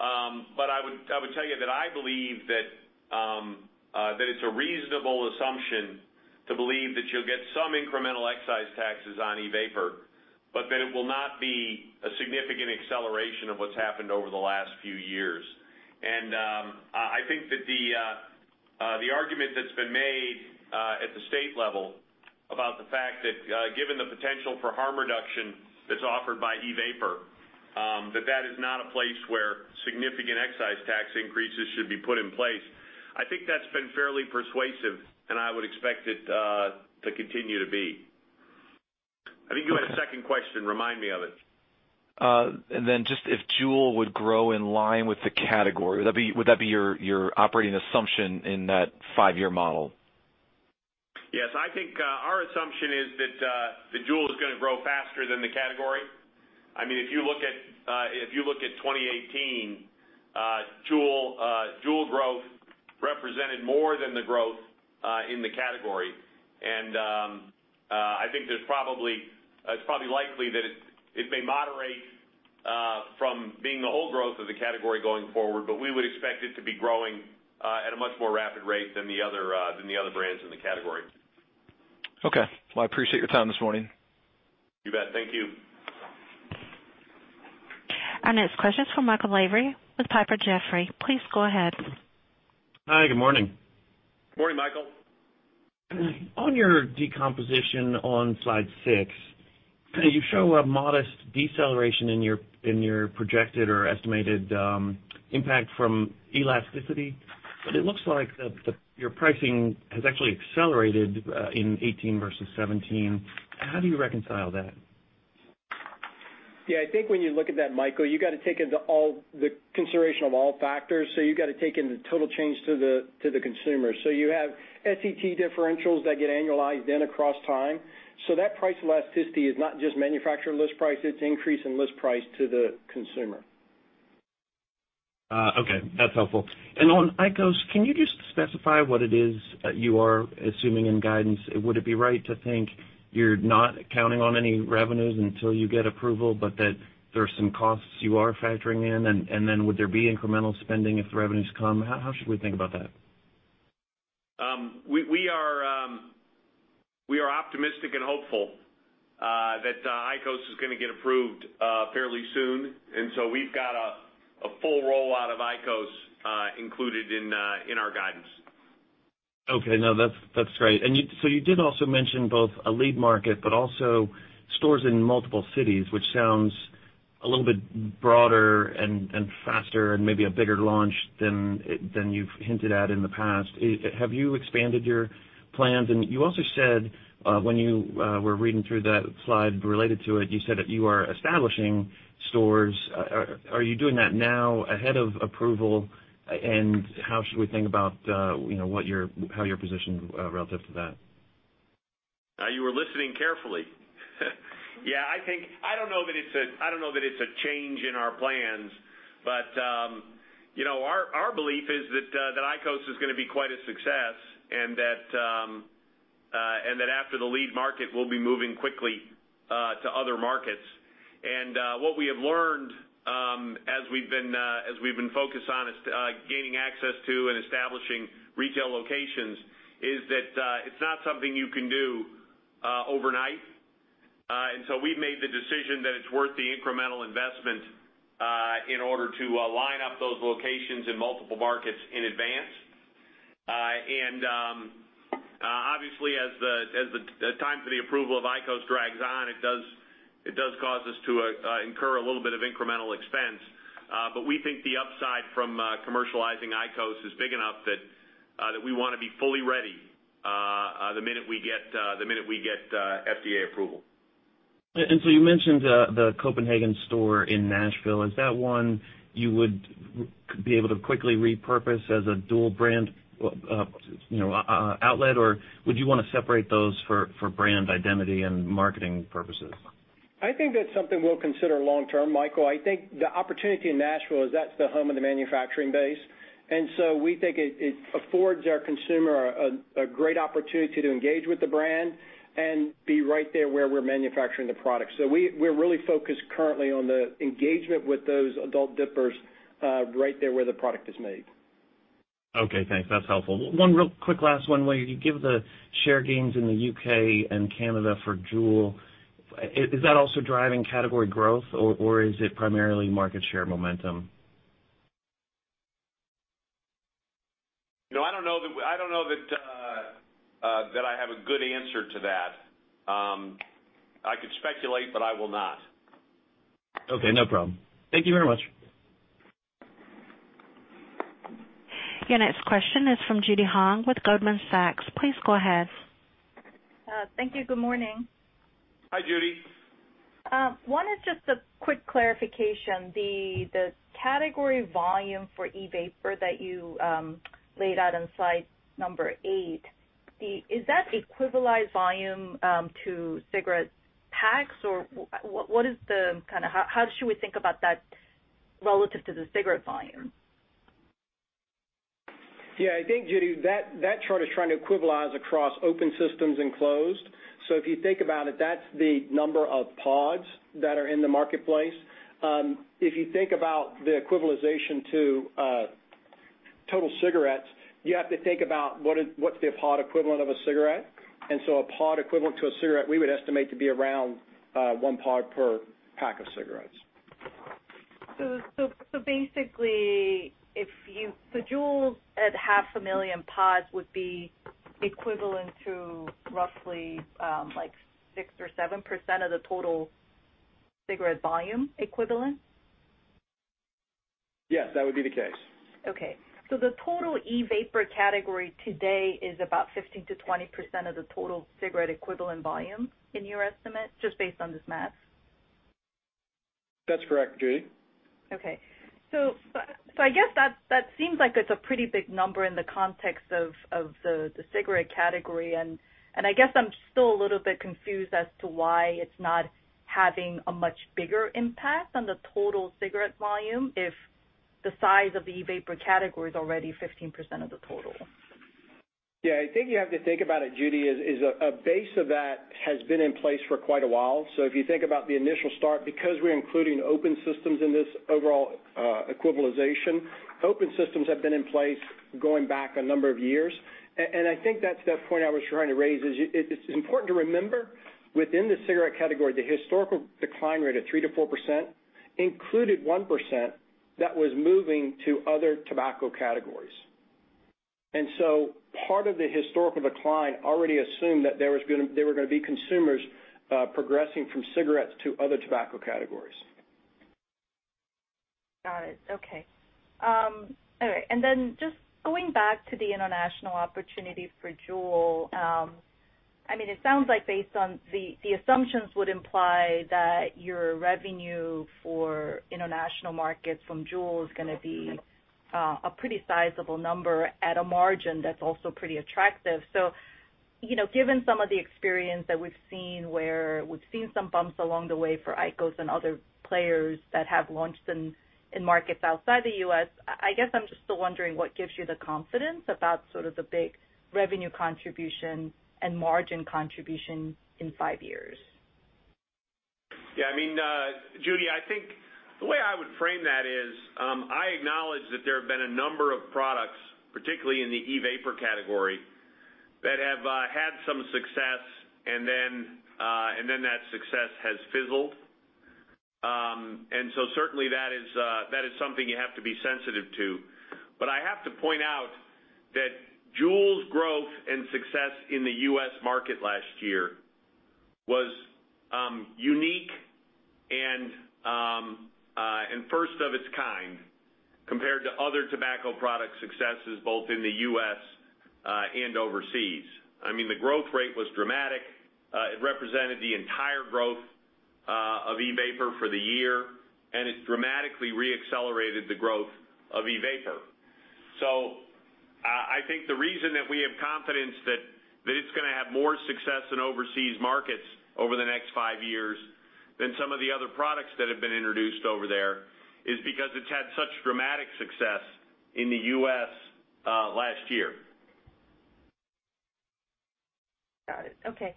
I would tell you that I believe that it's a reasonable assumption to believe that you'll get some incremental excise taxes on e-vapor, but that it will not be a significant acceleration of what's happened over the last few years. I think that the argument that's been made at the state level about the fact that given the potential for harm reduction that's offered by e-vapor, that is not a place where significant excise tax increases should be put in place. I think that's been fairly persuasive, and I would expect it to continue to be. I think you had a second question. Remind me of it. Then just if JUUL would grow in line with the category, would that be your operating assumption in that five-year model? Yes. I think our assumption is that JUUL is going to grow faster than the category. If you look at 2018, JUUL growth represented more than the growth in the category. I think it's probably likely that it may moderate from being the whole growth of the category going forward, but we would expect it to be growing at a much more rapid rate than the other brands in the category. Okay. Well, I appreciate your time this morning. You bet. Thank you. Our next question is from Michael Lavery with Piper Jaffray. Please go ahead. Hi, good morning. Morning, Michael. On your decomposition on slide six, you show a modest deceleration in your projected or estimated impact from elasticity, but it looks like your pricing has actually accelerated in 2018 versus 2017. How do you reconcile that? Yeah, I think when you look at that, Michael, you got to take into consideration of all factors. You got to take in the total change to the consumer. You have SET differentials that get annualized then across time. That price elasticity is not just manufacturer list price, it's increase in list price to the consumer. Okay, that's helpful. On IQOS, can you just specify what it is that you are assuming in guidance? Would it be right to think you're not counting on any revenues until you get approval, but that there's some costs you are factoring in? Would there be incremental spending if the revenues come? How should we think about that? We are optimistic and hopeful that IQOS is going to get approved fairly soon, we've got a full rollout of IQOS included in our guidance. Okay. No, that's great. You did also mention both a lead market, but also stores in multiple cities, which sounds a little bit broader and faster and maybe a bigger launch than you've hinted at in the past. Have you expanded your plans? You also said when you were reading through that slide related to it, you said that you are establishing stores. Are you doing that now ahead of approval? How should we think about how you're positioned relative to that? You were listening carefully. Yeah, I don't know that it's a change in our plans, but our belief is that IQOS is going to be quite a success and that after the lead market, we'll be moving quickly to other markets. What we have learned as we've been focused on gaining access to and establishing retail locations is that it's not something you can do overnight. We've made the decision that it's worth the incremental investment in order to line up those locations in multiple markets in advance. Obviously as the time for the approval of IQOS drags on, it does cause us to incur a little bit of incremental expense. We think the upside from commercializing IQOS is big enough that we want to be fully ready the minute we get FDA approval. You mentioned the Copenhagen store in Nashville. Is that one you would be able to quickly repurpose as a dual brand outlet, or would you want to separate those for brand identity and marketing purposes? I think that's something we'll consider long-term, Michael. I think the opportunity in Nashville is that's the home of the manufacturing base, we think it affords our consumer a great opportunity to engage with the brand and be right there where we're manufacturing the product. We're really focused currently on the engagement with those adult dippers right there where the product is made. Okay, thanks. That's helpful. One real quick last one. Will you give the share gains in the U.K. and Canada for JUUL? Is that also driving category growth, or is it primarily market share momentum? I don't know that I have a good answer to that. I could speculate, but I will not. Okay, no problem. Thank you very much. Your next question is from Judy Hong with Goldman Sachs. Please go ahead. Thank you. Good morning. Hi, Judy. One is just a quick clarification. The category volume for e-vapor that you laid out on slide number eight, is that equivalized volume to cigarette packs, or how should we think about that relative to the cigarette volume? Yeah, I think, Judy, that chart is trying to equivalize across open systems and closed. If you think about it, that's the number of pods that are in the marketplace. If you think about the equivalization to total cigarettes, you have to think about what's the pod equivalent of a cigarette. A pod equivalent to a cigarette, we would estimate to be around one pod per pack of cigarettes. Basically, the JUUL at half a million pods would be equivalent to roughly 6% or 7% of the total cigarette volume equivalent? Yes, that would be the case. Okay. The total e-vapor category today is about 15%-20% of the total cigarette equivalent volume in your estimate, just based on this math? That's correct, Judy. Okay. I guess that seems like it's a pretty big number in the context of the cigarette category, and I guess I'm still a little bit confused as to why it's not having a much bigger impact on the total cigarette volume if the size of the e-vapor category is already 15% of the total. Yeah, I think you have to think about it, Judy, as a base of that has been in place for quite a while. If you think about the initial start, because we're including open systems in this overall equivalization, open systems have been in place going back a number of years. I think that's the point I was trying to raise, is it's important to remember within the cigarette category, the historical decline rate of 3%-4% included 1% that was moving to other tobacco categories. Part of the historical decline already assumed that there were going to be consumers progressing from cigarettes to other tobacco categories. Got it. Okay. All right, just going back to the international opportunity for JUUL. It sounds like based on the assumptions would imply that your revenue for international markets from JUUL is going to be a pretty sizable number at a margin that's also pretty attractive. Given some of the experience that we've seen, where we've seen some bumps along the way for IQOS and other players that have launched in markets outside the U.S., I guess I'm just still wondering what gives you the confidence about the big revenue contribution and margin contribution in five years? Yeah, Judy, I think the way I would frame that is, I acknowledge that there have been a number of products, particularly in the e-vapor category, that have had some success and then that success has fizzled. Certainly that is something you have to be sensitive to. I have to point out that JUUL's growth and success in the U.S. market last year was unique and first of its kind compared to other tobacco product successes, both in the U.S. and overseas. The growth rate was dramatic. It represented the entire growth of e-vapor for the year, and it dramatically re-accelerated the growth of e-vapor. I think the reason that we have confidence that it's going to have more success in overseas markets over the next five years than some of the other products that have been introduced over there is because it's had such dramatic success in the U.S. last year. Got it. Okay.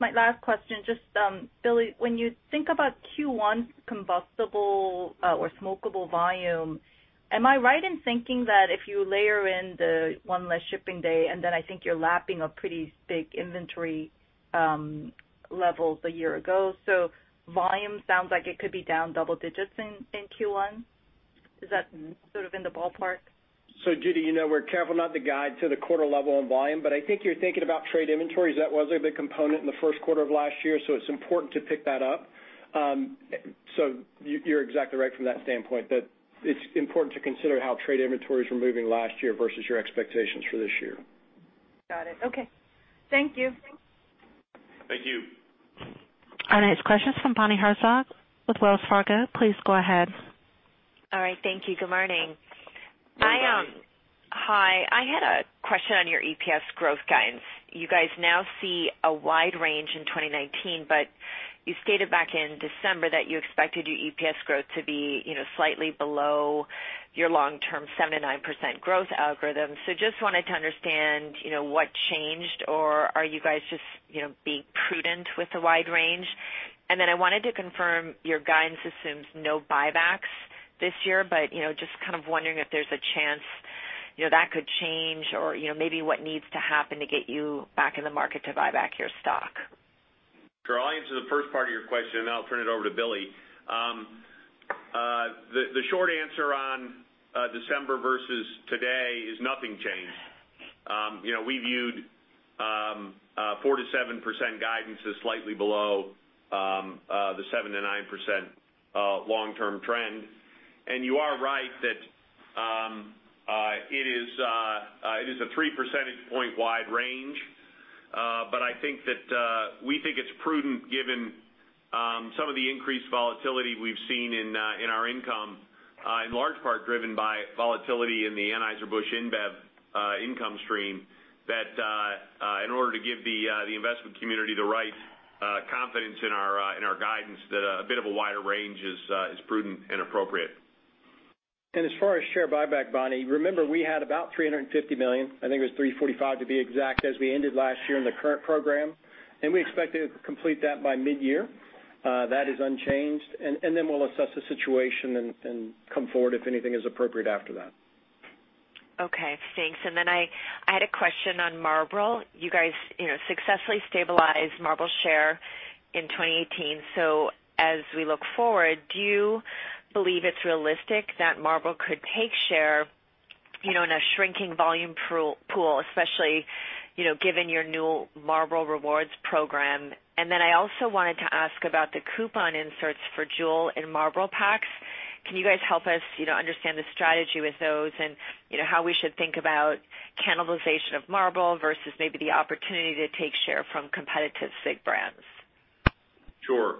My last question, just Billy, when you think about Q1 combustible or smokable volume, am I right in thinking that if you layer in the one less shipping day, then I think you're lapping a pretty big inventory levels a year ago. Volume sounds like it could be down double digits in Q1. Is that sort of in the ballpark? Judy, we're careful not to guide to the quarter level on volume, but I think you're thinking about trade inventories. That was a big component in the first quarter of last year, so it's important to pick that up. You're exactly right from that standpoint, that it's important to consider how trade inventories were moving last year versus your expectations for this year. Got it. Okay. Thank you. Thank you. Our next question is from Bonnie Herzog with Wells Fargo. Please go ahead. All right. Thank you. Good morning. Good morning. Hi. I had a question on your EPS growth guidance. You guys now see a wide range in 2019, but you stated back in December that you expected your EPS growth to be slightly below your long-term 7%-9% growth algorithm. Just wanted to understand what changed, or are you guys just being prudent with the wide range? I wanted to confirm your guidance assumes no buybacks this year, but just kind of wondering if there's a chance that could change or maybe what needs to happen to get you back in the market to buy back your stock? To the first part of your question, I'll turn it over to Billy. The short answer on December versus today is nothing changed. We viewed 4%-7% guidance as slightly below the 7%-9% long-term trend. You are right that it is a three percentage point wide range. We think it's prudent given some of the increased volatility we've seen in our income, in large part driven by volatility in the Anheuser-Busch InBev income stream, that in order to give the investment community the right confidence in our guidance, that a bit of a wider range is prudent and appropriate. As far as share buyback, Bonnie, remember we had about $350 million, I think it was $345 to be exact, as we ended last year in the current program, and we expect to complete that by mid-year. That is unchanged. We'll assess the situation and come forward if anything is appropriate after that. Okay, thanks. I had a question on Marlboro. You guys successfully stabilized Marlboro's share in 2018. As we look forward, do you believe it's realistic that Marlboro could take share in a shrinking volume pool, especially given your new Marlboro Rewards program? I also wanted to ask about the coupon inserts for JUUL in Marlboro packs. Can you guys help us understand the strategy with those and how we should think about cannibalization of Marlboro versus maybe the opportunity to take share from competitive cig brands? Sure.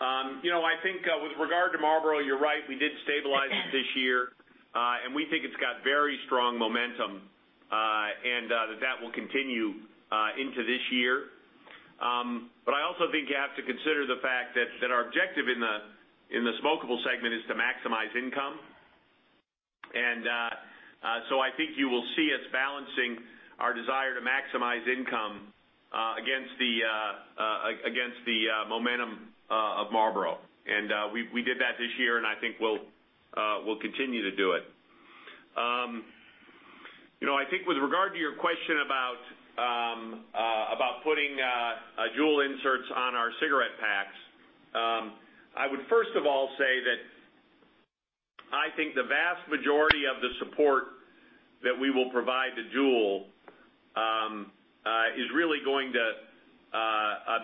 I think with regard to Marlboro, you're right, we did stabilize it this year. We think it's got very strong momentum, and that will continue into this year. I also think you have to consider the fact that our objective in the smokable segment is to maximize income. I think you will see us balancing our desire to maximize income against the momentum of Marlboro. We did that this year, and I think we'll continue to do it. I think with regard to your question about putting JUUL inserts on our cigarette packs, I would first of all say that I think the vast majority of the support that we will provide to JUUL is really going to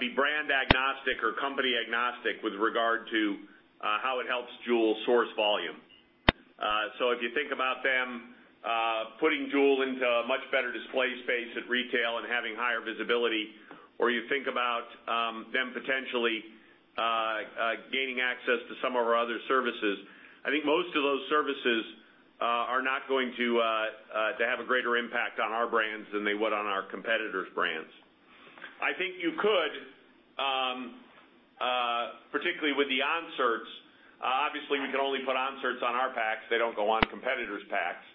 be brand agnostic or company agnostic with regard to how it helps JUUL source volume. If you think about them putting JUUL into a much better display space at retail and having higher visibility, or you think about them potentially gaining access to some of our other services, I think most of those services are not going to have a greater impact on our brands than they would on our competitors' brands. I think you could, particularly with the inserts. Obviously, we can only put inserts on our packs. They don't go on competitors' packs.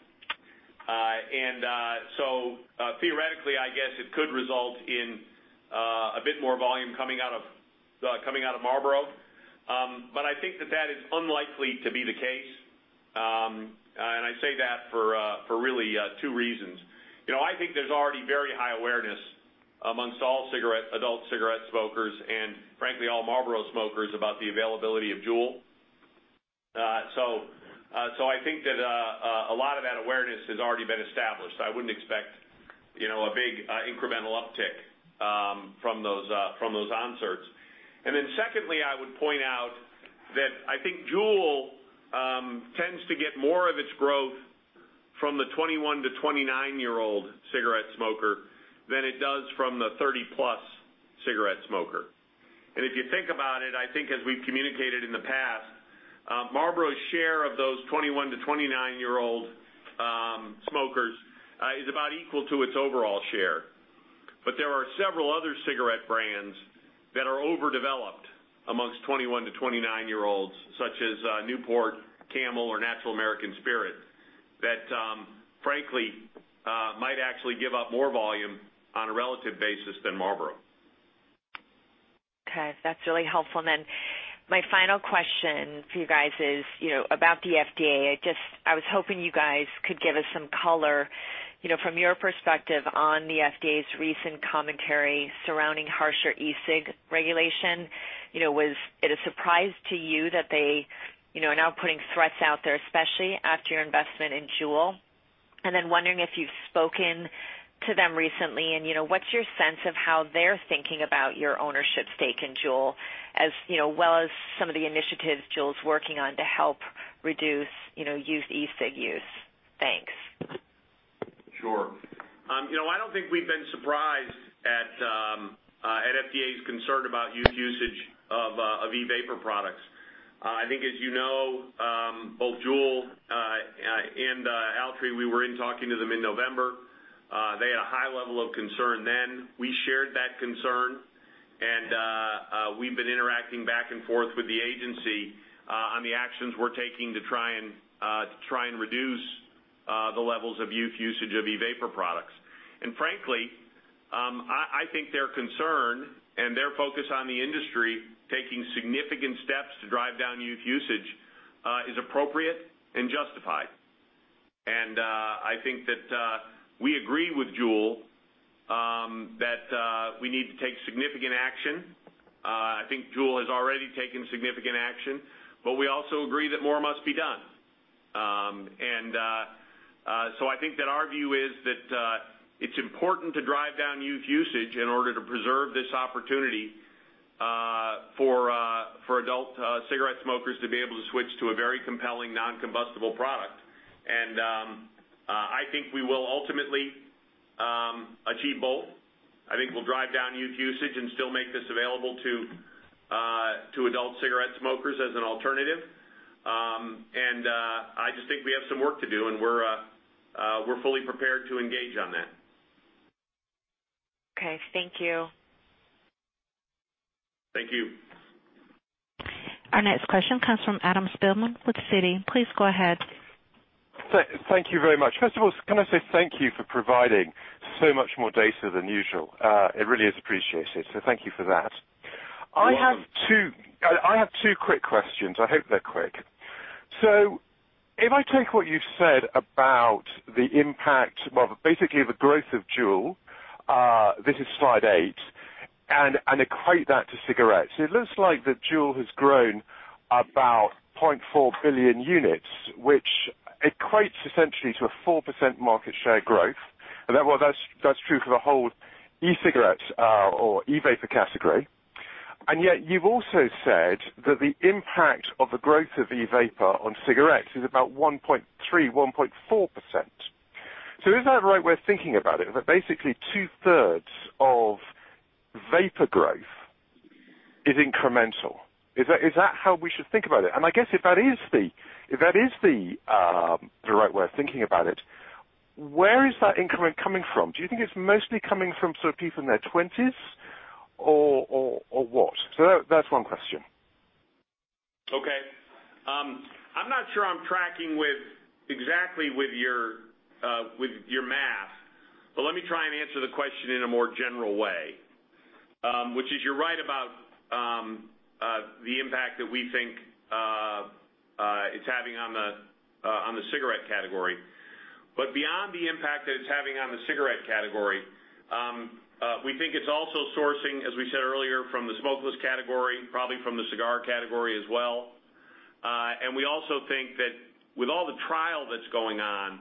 Theoretically, I guess it could result in a bit more volume coming out of Marlboro. I think that is unlikely to be the case, and I say that for really two reasons. I think there's already very high awareness amongst all adult cigarette smokers, and frankly, all Marlboro smokers about the availability of JUUL. I think that a lot of that awareness has already been established. I wouldn't expect a big incremental uptick from those inserts. Secondly, I would point out that I think JUUL tends to get more of its growth from the 21-29-year-old cigarette smoker than it does from the 30+ year-old cigarette smoker. If you think about it, I think as we've communicated in the past, Marlboro's share of those 21-29-year-old smokers is about equal to its overall share. There are several other cigarette brands that are overdeveloped amongst 21-29-year-olds, such as Newport, Camel, or Natural American Spirit, that frankly, might actually give up more volume on a relative basis than Marlboro. Okay. That's really helpful. My final question for you guys is about the FDA. I was hoping you guys could give us some color from your perspective on the FDA's recent commentary surrounding harsher e-cig regulation. Was it a surprise to you that they are now putting threats out there, especially after your investment in JUUL? Wondering if you've spoken to them recently, and what's your sense of how they're thinking about your ownership stake in JUUL, as well as some of the initiatives JUUL's working on to help reduce youth e-cig use? Thanks. Sure. I don't think we've been surprised at FDA's concern about youth usage of e-vapor products. I think as you know both JUUL and Altria, we were in talking to them in November. They had a high level of concern then. We shared that concern, and we've been interacting back and forth with the agency on the actions we're taking to try and reduce the levels of youth usage of e-vapor products. Frankly, I think their concern and their focus on the industry taking significant steps to drive down youth usage is appropriate and justified. I think that we agree with JUUL that we need to take significant action. I think JUUL has already taken significant action, but we also agree that more must be done. I think that our view is that it's important to drive down youth usage in order to preserve this opportunity for adult cigarette smokers to be able to switch to a very compelling non-combustible product. I think we will ultimately achieve both. I think we'll drive down youth usage and still make this available to adult cigarette smokers as an alternative. I just think we have some work to do, and we're fully prepared to engage on that. Okay. Thank you. Thank you. Our next question comes from Adam Spielman with Citi. Please go ahead. Thank you very much. First of all, can I say thank you for providing so much more data than usual. It really is appreciated, so thank you for that. You're welcome. I have two quick questions. I hope they're quick. If I take what you've said about the impact, well, basically the growth of JUUL, this is slide eight, and equate that to cigarettes, it looks like that JUUL has grown about 0.4 billion units, which equates essentially to a 4% market share growth. Well, that's true for the whole e-cigarettes or e-vapor category. Yet you've also said that the impact of the growth of e-vapor on cigarettes is about 1.3%, 1.4%. Is that the right way of thinking about it? That basically two-thirds of vapor growth is incremental. Is that how we should think about it? I guess if that is the right way of thinking about it, where is that increment coming from? Do you think it's mostly coming from sort of people in their 20s or what? That's one question. Okay. I'm not sure I'm tracking exactly with your math. Let me try and answer the question in a more general way, which is, you're right about the impact that we think it's having on the cigarette category. Beyond the impact that it's having on the cigarette category, we think it's also sourcing, as we said earlier, from the smokeless category, probably from the cigar category as well. We also think that with all the trial that's going on,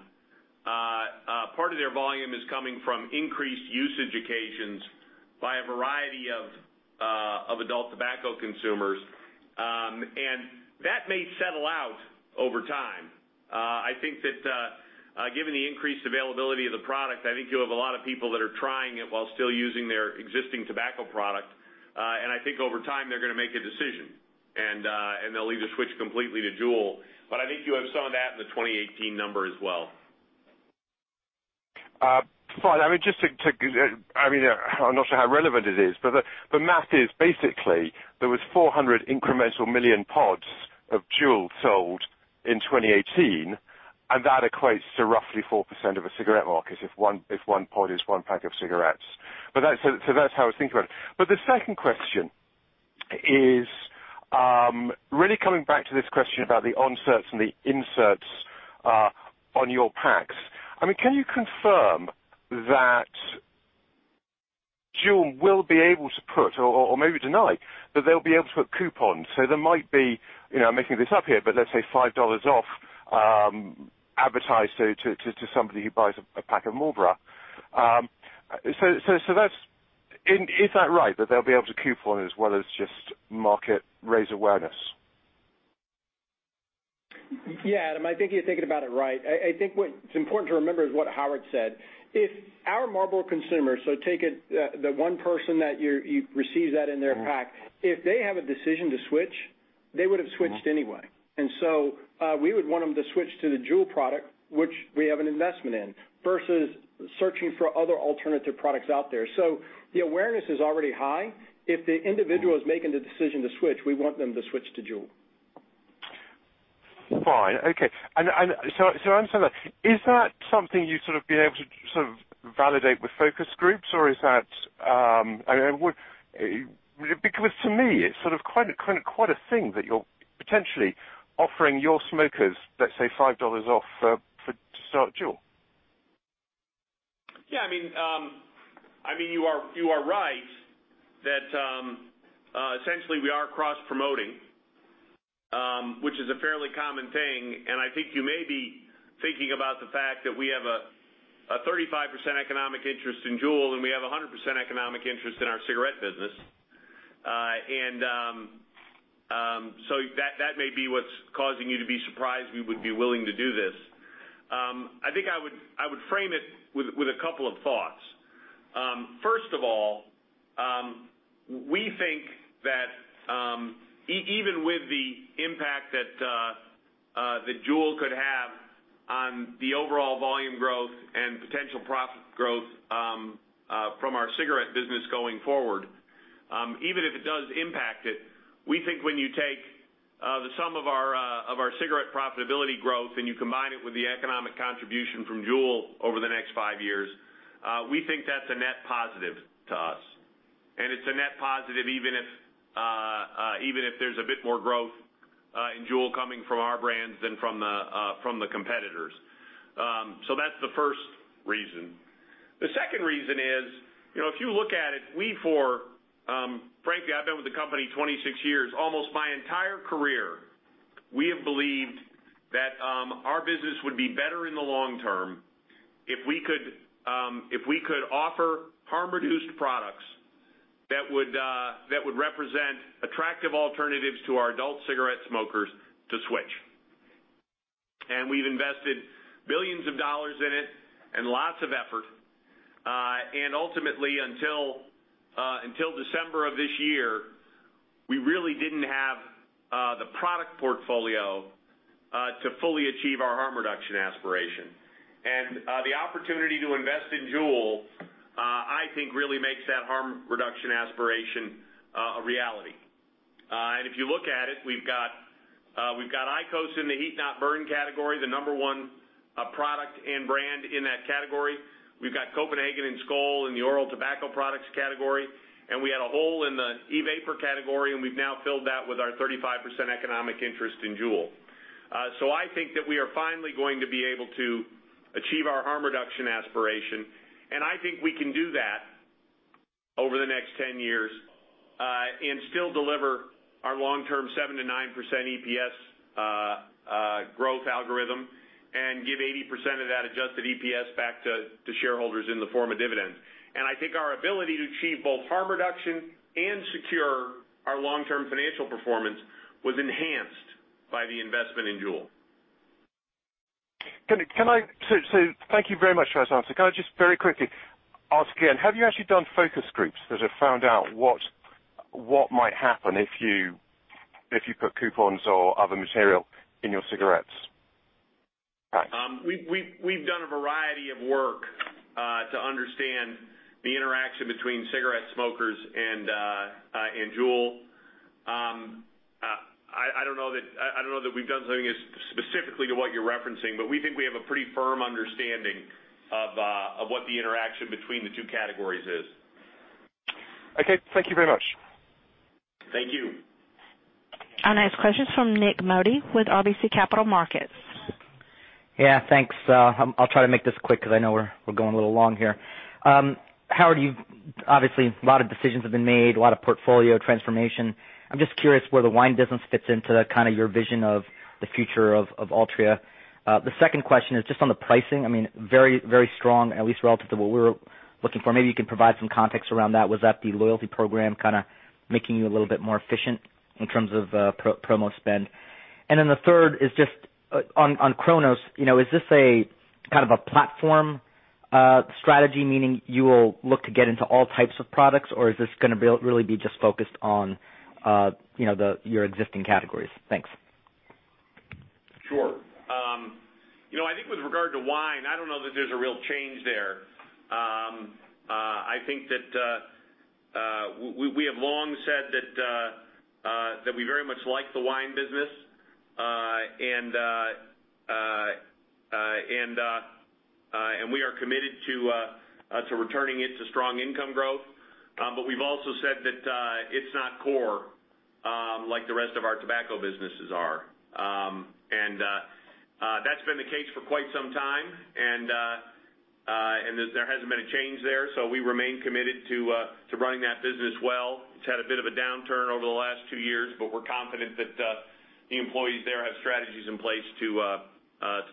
part of their volume is coming from increased usage occasions by a variety of adult tobacco consumers, and that may settle out over time. I think that given the increased availability of the product, I think you'll have a lot of people that are trying it while still using their existing tobacco product. I think over time, they're going to make a decision, and they'll either switch completely to JUUL. I think you have some of that in the 2018 number as well. Fine. I'm not sure how relevant it is, the math is basically there was 400 incremental million pods of JUUL sold in 2018, and that equates to roughly 4% of a cigarette market, if one pod is one pack of cigarettes. That's how I was thinking about it. The second question is really coming back to this question about the onsets and the inserts on your packs. Can you confirm that JUUL will be able to put, or maybe deny, that they'll be able to put coupons? So there might be, I'm making this up here, but let's say $5 off advertised to somebody who buys a pack of Marlboro. Is that right, that they'll be able to coupon as well as just market, raise awareness? Yeah, Adam, I think you're thinking about it right. I think what's important to remember is what Howard said. If our Marlboro consumer, so take it the one person that receives that in their pack, if they have a decision to switch, they would have switched anyway. We would want them to switch to the JUUL product, which we have an investment in, versus searching for other alternative products out there. The awareness is already high. If the individual is making the decision to switch, we want them to switch to JUUL. Fine. Okay. I understand that. Is that something you'd be able to validate with focus groups, or is that because to me, it's quite a thing that you're potentially offering your smokers, let's say $5 off to start JUUL. Yeah, you are right that essentially we are cross-promoting, which is a fairly common thing, and I think you may be thinking about the fact that we have a 35% economic interest in JUUL, and we have 100% economic interest in our cigarette business. That may be what's causing you to be surprised we would be willing to do this. I think I would frame it with a couple of thoughts. First of all, we think that even with the impact that JUUL could have on the overall volume growth and potential profit growth from our cigarette business going forward, even if it does impact it, we think when you take the sum of our cigarette profitability growth and you combine it with the economic contribution from JUUL over the next five years, we think that's a net positive to us. It's a net positive even if there's a bit more growth in JUUL coming from our brands than from the competitors. That's the first reason. The second reason is, if you look at it, frankly, I've been with the company 26 years, almost my entire career, we have believed that our business would be better in the long term if we could offer harm-reduced products that would represent attractive alternatives to our adult cigarette smokers to switch. We've invested billions of dollars in it and lots of effort. Ultimately, until December of this year, we really didn't have the product portfolio to fully achieve our harm reduction aspiration. The opportunity to invest in JUUL, I think, really makes that harm reduction aspiration a reality. If you look at it, we've got IQOS in the heat-not-burn category, the number product and brand in that category. We've got Copenhagen and Skoal in the oral tobacco products category, and we had a hole in the e-vapor category, and we've now filled that with our 35% economic interest in JUUL. I think that we are finally going to be able to achieve our harm reduction aspiration, and I think we can do that over the next 10 years and still deliver our long-term 7%-9% EPS growth algorithm and give 80% of that adjusted EPS back to shareholders in the form of dividends. I think our ability to achieve both harm reduction and secure our long-term financial performance was enhanced by the investment in JUUL. Thank you very much for that answer. Can I just very quickly ask again, have you actually done focus groups that have found out what might happen if you put coupons or other material in your cigarettes? Thanks. We've done a variety of work to understand the interaction between cigarette smokers and JUUL. I don't know that we've done something specifically to what you're referencing, but we think we have a pretty firm understanding of what the interaction between the two categories is. Okay. Thank you very much. Thank you. Our next question's from Nik Modi with RBC Capital Markets. Thanks. I'll try to make this quick because I know we're going a little long here. Howard, obviously a lot of decisions have been made, a lot of portfolio transformation. I'm just curious where the wine business fits into your vision of the future of Altria. The second question is just on the pricing. Very strong, at least relative to what we were looking for. Maybe you can provide some context around that. Was that the loyalty program making you a little bit more efficient in terms of promo spend? The third is just on Cronos. Is this a platform strategy, meaning you will look to get into all types of products, or is this going to really be just focused on your existing categories? Thanks. Sure. I think with regard to wine, I don't know that there's a real change there. I think that we have long said that we very much like the wine business and we are committed to returning it to strong income growth. We've also said that it's not core like the rest of our tobacco businesses are. That's been the case for quite some time, and there hasn't been a change there, so we remain committed to running that business well. It's had a bit of a downturn over the last two years, but we're confident that the employees there have strategies in place to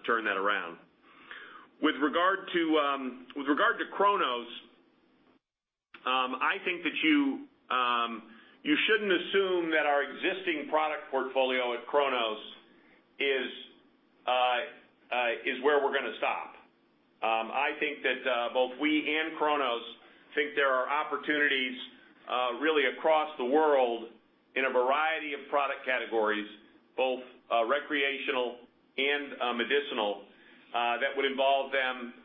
turn that around. With regard to Cronos, I think that you shouldn't assume that our existing product portfolio at Cronos is where we're going to stop. I think that both we and Cronos think there are opportunities really across the world in a variety of product categories, both recreational and medicinal, that would involve them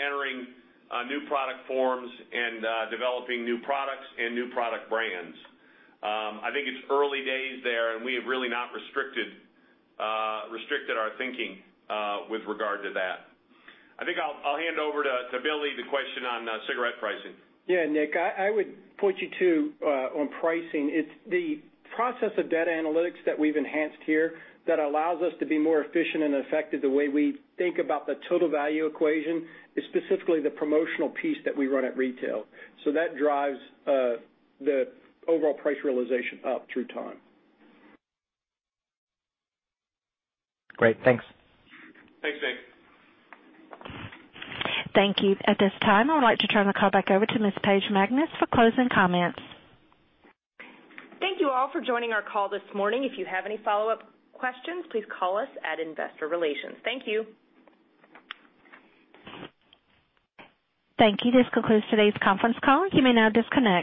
entering new product forms and developing new products and new product brands. I think it's early days there, and we have really not restricted our thinking with regard to that. I think I'll hand over to Billy the question on cigarette pricing. Yeah, Nik, I would point you to on pricing. It's the process of data analytics that we've enhanced here that allows us to be more efficient and effective the way we think about the total value equation is specifically the promotional piece that we run at retail. That drives the overall price realization up through time. Great. Thanks. Thanks, Nik. Thank you. At this time, I would like to turn the call back over to Ms. Paige Magness for closing comments. Thank you all for joining our call this morning. If you have any follow-up questions, please call us at investor relations. Thank you. Thank you. This concludes today's conference call. You may now disconnect.